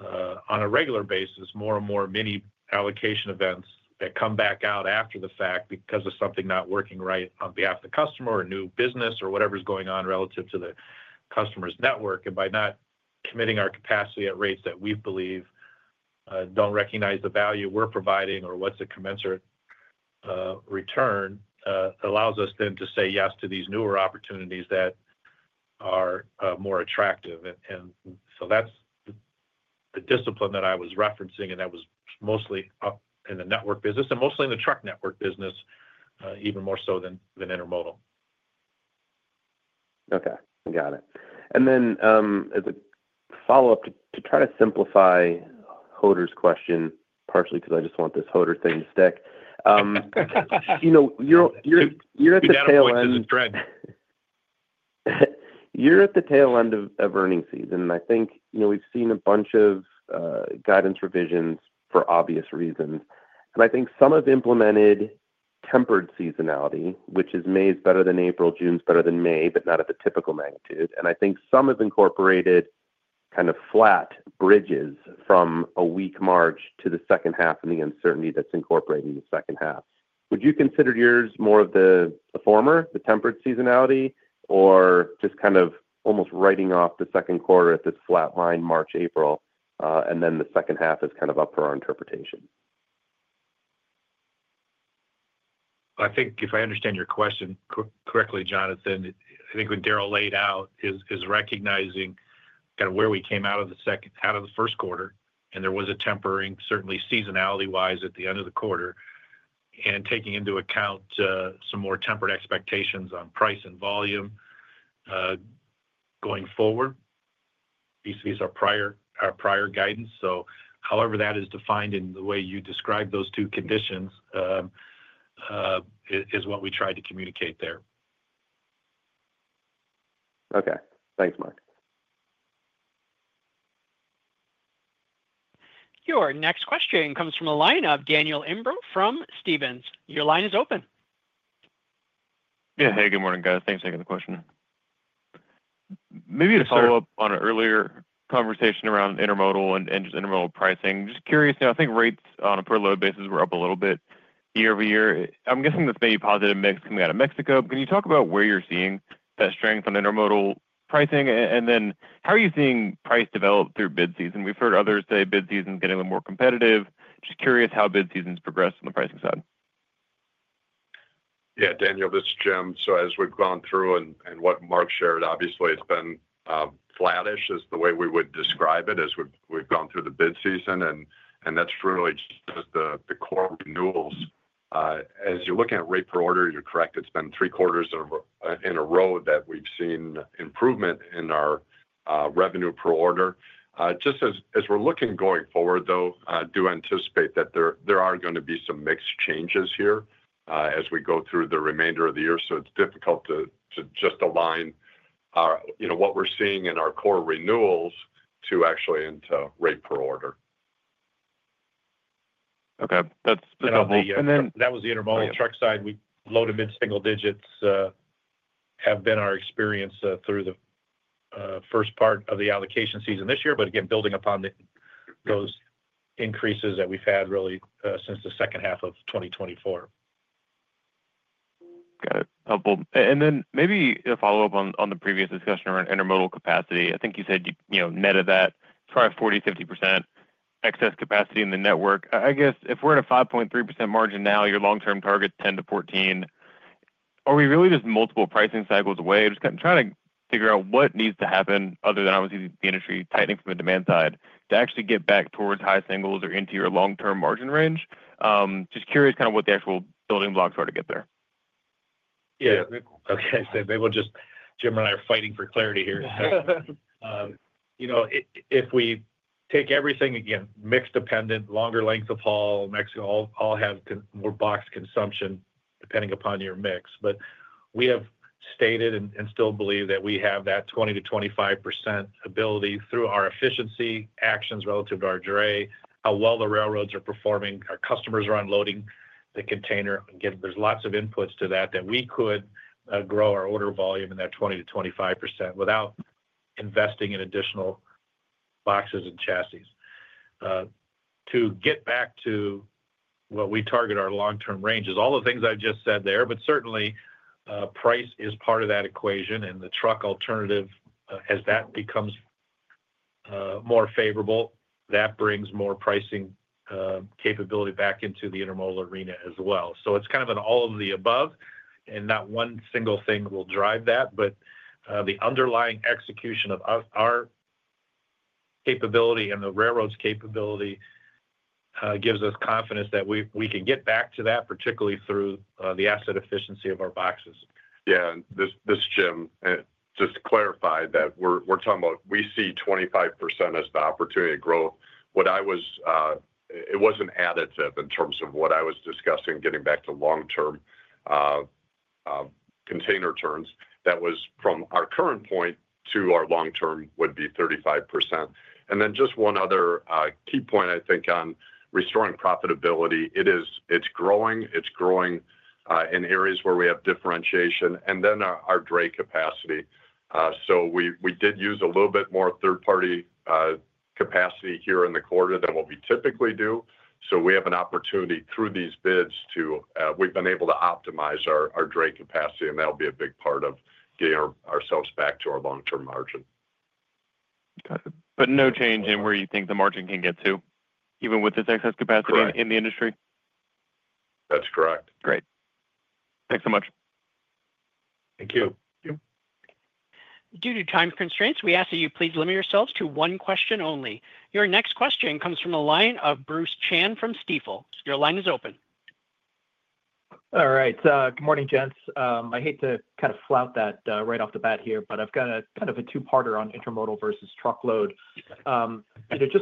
on a regular basis more and more mini-allocation events that come back out after the fact because of something not working right on behalf of the customer or new business or whatever is going on relative to the customer's network. By not committing our capacity at rates that we believe do not recognize the value we are providing or what is a commensurate return, it allows us then to say yes to these newer opportunities that are more attractive. That's the discipline that I was referencing, and that was mostly in the network business and mostly in the truck network business, even more so than intermodal. Okay. Got it. As a follow-up to try to simplify Hoder's question, partially because I just want this Hoder thing to stick. You're at the tail end. Yeah. I'm just in the thread. You're at the tail end of earning season. I think we've seen a bunch of guidance revisions for obvious reasons. I think some have implemented tempered seasonality, which is May's better than April, June's better than May, but not at the typical magnitude. I think some have incorporated kind of flat bridges from a weak March to the second half and the uncertainty that's incorporated in the second half. Would you consider yours more of the former, the tempered seasonality, or just kind of almost writing off the second quarter at this flat line, March, April, and then the second half is kind of up for our interpretation? I think if I understand your question correctly, Jonathan, I think what Darrell laid out is recognizing kind of where we came out of the first quarter, and there was a tempering, certainly seasonality-wise at the end of the quarter, and taking into account some more tempered expectations on price and volume going forward. These are prior guidance. However that is defined in the way you describe those two conditions is what we tried to communicate there. Okay. Thanks, Mark. Your next question comes from a line of Daniel Imbro from Stephens. Your line is open. Yeah. Hey, good morning, guys. Thanks for taking the question. Maybe to follow up on an earlier conversation around intermodal and just intermodal pricing. Just curious, I think rates on a per-load basis were up a little bit year-over-year. I'm guessing that's maybe positive mix coming out of Mexico. Can you talk about where you're seeing that strength on intermodal pricing? Can you talk about how you are seeing price develop through bid season? We've heard others say bid season's getting a little more competitive. Just curious how bid season's progressed on the pricing side. Yeah. Daniel, this is Jim. As we have gone through and what Mark shared, obviously, it has been flattish is the way we would describe it as we have gone through the bid season. That is really just the core renewals. As you are looking at rate per order, you are correct. It has been three quarters in a row that we have seen improvement in our revenue per order. Just as we are looking going forward, though, do anticipate that there are going to be some mixed changes here as we go through the remainder of the year. It is difficult to just align what we are seeing in our core renewals to actually into rate per order. Okay. That's helpful. Then. That was the intermodal truck side. We loaded mid-single digits have been our experience through the first part of the allocation season this year. Again, building upon those increases that we've had really since the second half of 2024. Got it. Helpful. Maybe a follow-up on the previous discussion around intermodal capacity. I think you said, net of that, try 40-50% excess capacity in the network. I guess if we're at a 5.3% margin now, your long-term target 10-14%, are we really just multiple pricing cycles away? I'm just kind of trying to figure out what needs to happen other than obviously the industry tightening from the demand side to actually get back towards high singles or into your long-term margin range. Just curious kind of what the actual building blocks are to get there. Yeah. Okay. Jim and I are fighting for clarity here. If we take everything again, mix dependent, longer length of haul, all have more box consumption depending upon your mix. We have stated and still believe that we have that 20-25% ability through our efficiency actions relative to our duration, how well the railroads are performing, our customers are unloading the container. Again, there are lots of inputs to that that we could grow our order volume in that 20-25% without investing in additional boxes and chassis. To get back to what we target our long-term range is all the things I have just said there, but certainly price is part of that equation. The truck alternative, as that becomes more favorable, brings more pricing capability back into the intermodal arena as well. It is kind of an all of the above, and not one single thing will drive that. The underlying execution of our capability and the railroad's capability gives us confidence that we can get back to that, particularly through the asset efficiency of our boxes. Yeah. This is Jim. Just to clarify that we're talking about we see 25% as the opportunity to grow. It wasn't additive in terms of what I was discussing getting back to long-term container turns. That was from our current point to our long-term would be 35%. Then just one other key point, I think, on restoring profitability. It's growing. It's growing in areas where we have differentiation and then our dray capacity. We did use a little bit more third-party capacity here in the quarter than what we typically do. We have an opportunity through these bids to optimize our dray capacity, and that'll be a big part of getting ourselves back to our long-term margin. Got it. No change in where you think the margin can get to, even with this excess capacity in the industry? That's correct. Great. Thanks so much. Thank you. Due to time constraints, we ask that you please limit yourselves to one question only. Your next question comes from a line of Bruce Chan from Stifel. Your line is open. All right. Good morning, gents. I hate to kind of flout that right off the bat here, but I've got kind of a two-parter on intermodal versus Truckload. Just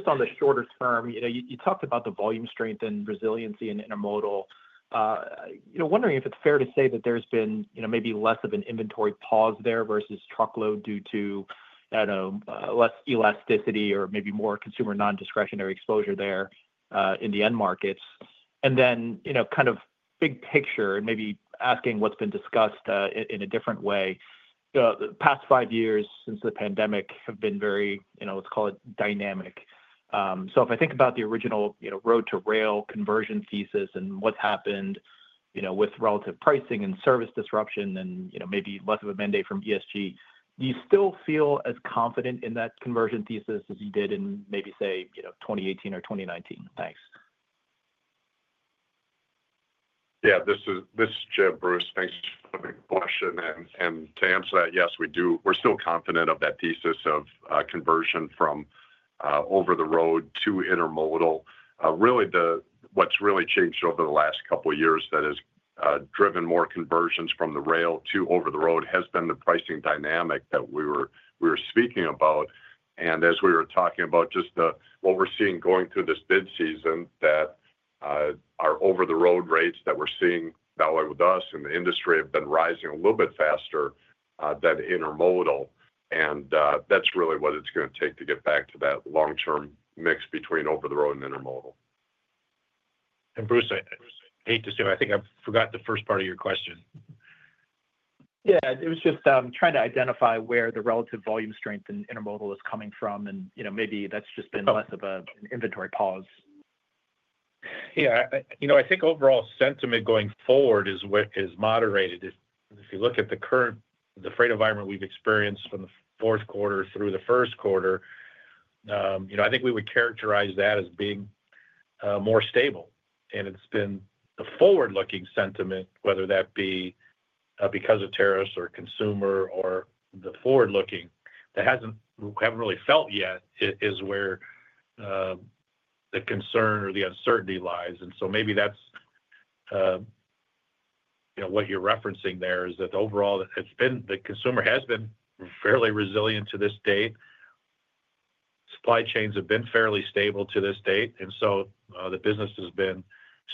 on the shorter term, you talked about the volume strength and resiliency in intermodal. Wondering if it's fair to say that there's been maybe less of an inventory pause there versus Truckload due to, I don't know, less elasticity or maybe more consumer non-discretionary exposure there in the end markets. Then kind of big picture, and maybe asking what's been discussed in a different way. The past five years since the pandemic have been very, let's call it dynamic. If I think about the original road-to-rail conversion thesis and what's happened with relative pricing and service disruption and maybe less of a mandate from ESG, do you still feel as confident in that conversion thesis as you did in maybe, say, 2018 or 2019? Thanks. Yeah. This is Jim Filter. Thanks for the question. To answer that, yes, we do. We're still confident of that thesis of conversion from over-the-road to intermodal. Really, what's really changed over the last couple of years that has driven more conversions from the rail to over-the-road has been the pricing dynamic that we were speaking about. As we were talking about just what we're seeing going through this bid season, our over-the-road rates that we're seeing that way with us in the industry have been rising a little bit faster than intermodal. That's really what it's going to take to get back to that long-term mix between over-the-road and intermodal. Bruce, I hate to say, but I think I forgot the first part of your question. Yeah. It was just trying to identify where the relative volume strength in intermodal is coming from, and maybe that's just been less of an inventory pause. Yeah. I think overall sentiment going forward is moderated. If you look at the current, the freight environment we've experienced from the fourth quarter through the first quarter, I think we would characterize that as being more stable. It's been the forward-looking sentiment, whether that be because of tariffs or consumer or the forward-looking that hasn't really felt yet is where the concern or the uncertainty lies. Maybe that's what you're referencing there is that overall, the consumer has been fairly resilient to this date. Supply chains have been fairly stable to this date, and the business has been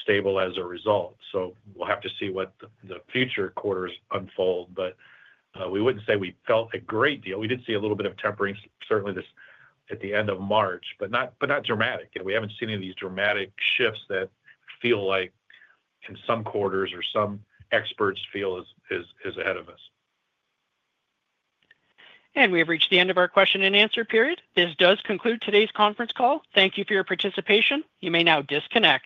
stable as a result. We'll have to see what the future quarters unfold. We wouldn't say we felt a great deal. We did see a little bit of tempering, certainly at the end of March, but not dramatic. We haven't seen any of these dramatic shifts that feel like in some quarters or some experts feel is ahead of us. We have reached the end of our question and answer period. This does conclude today's conference call. Thank you for your participation. You may now disconnect.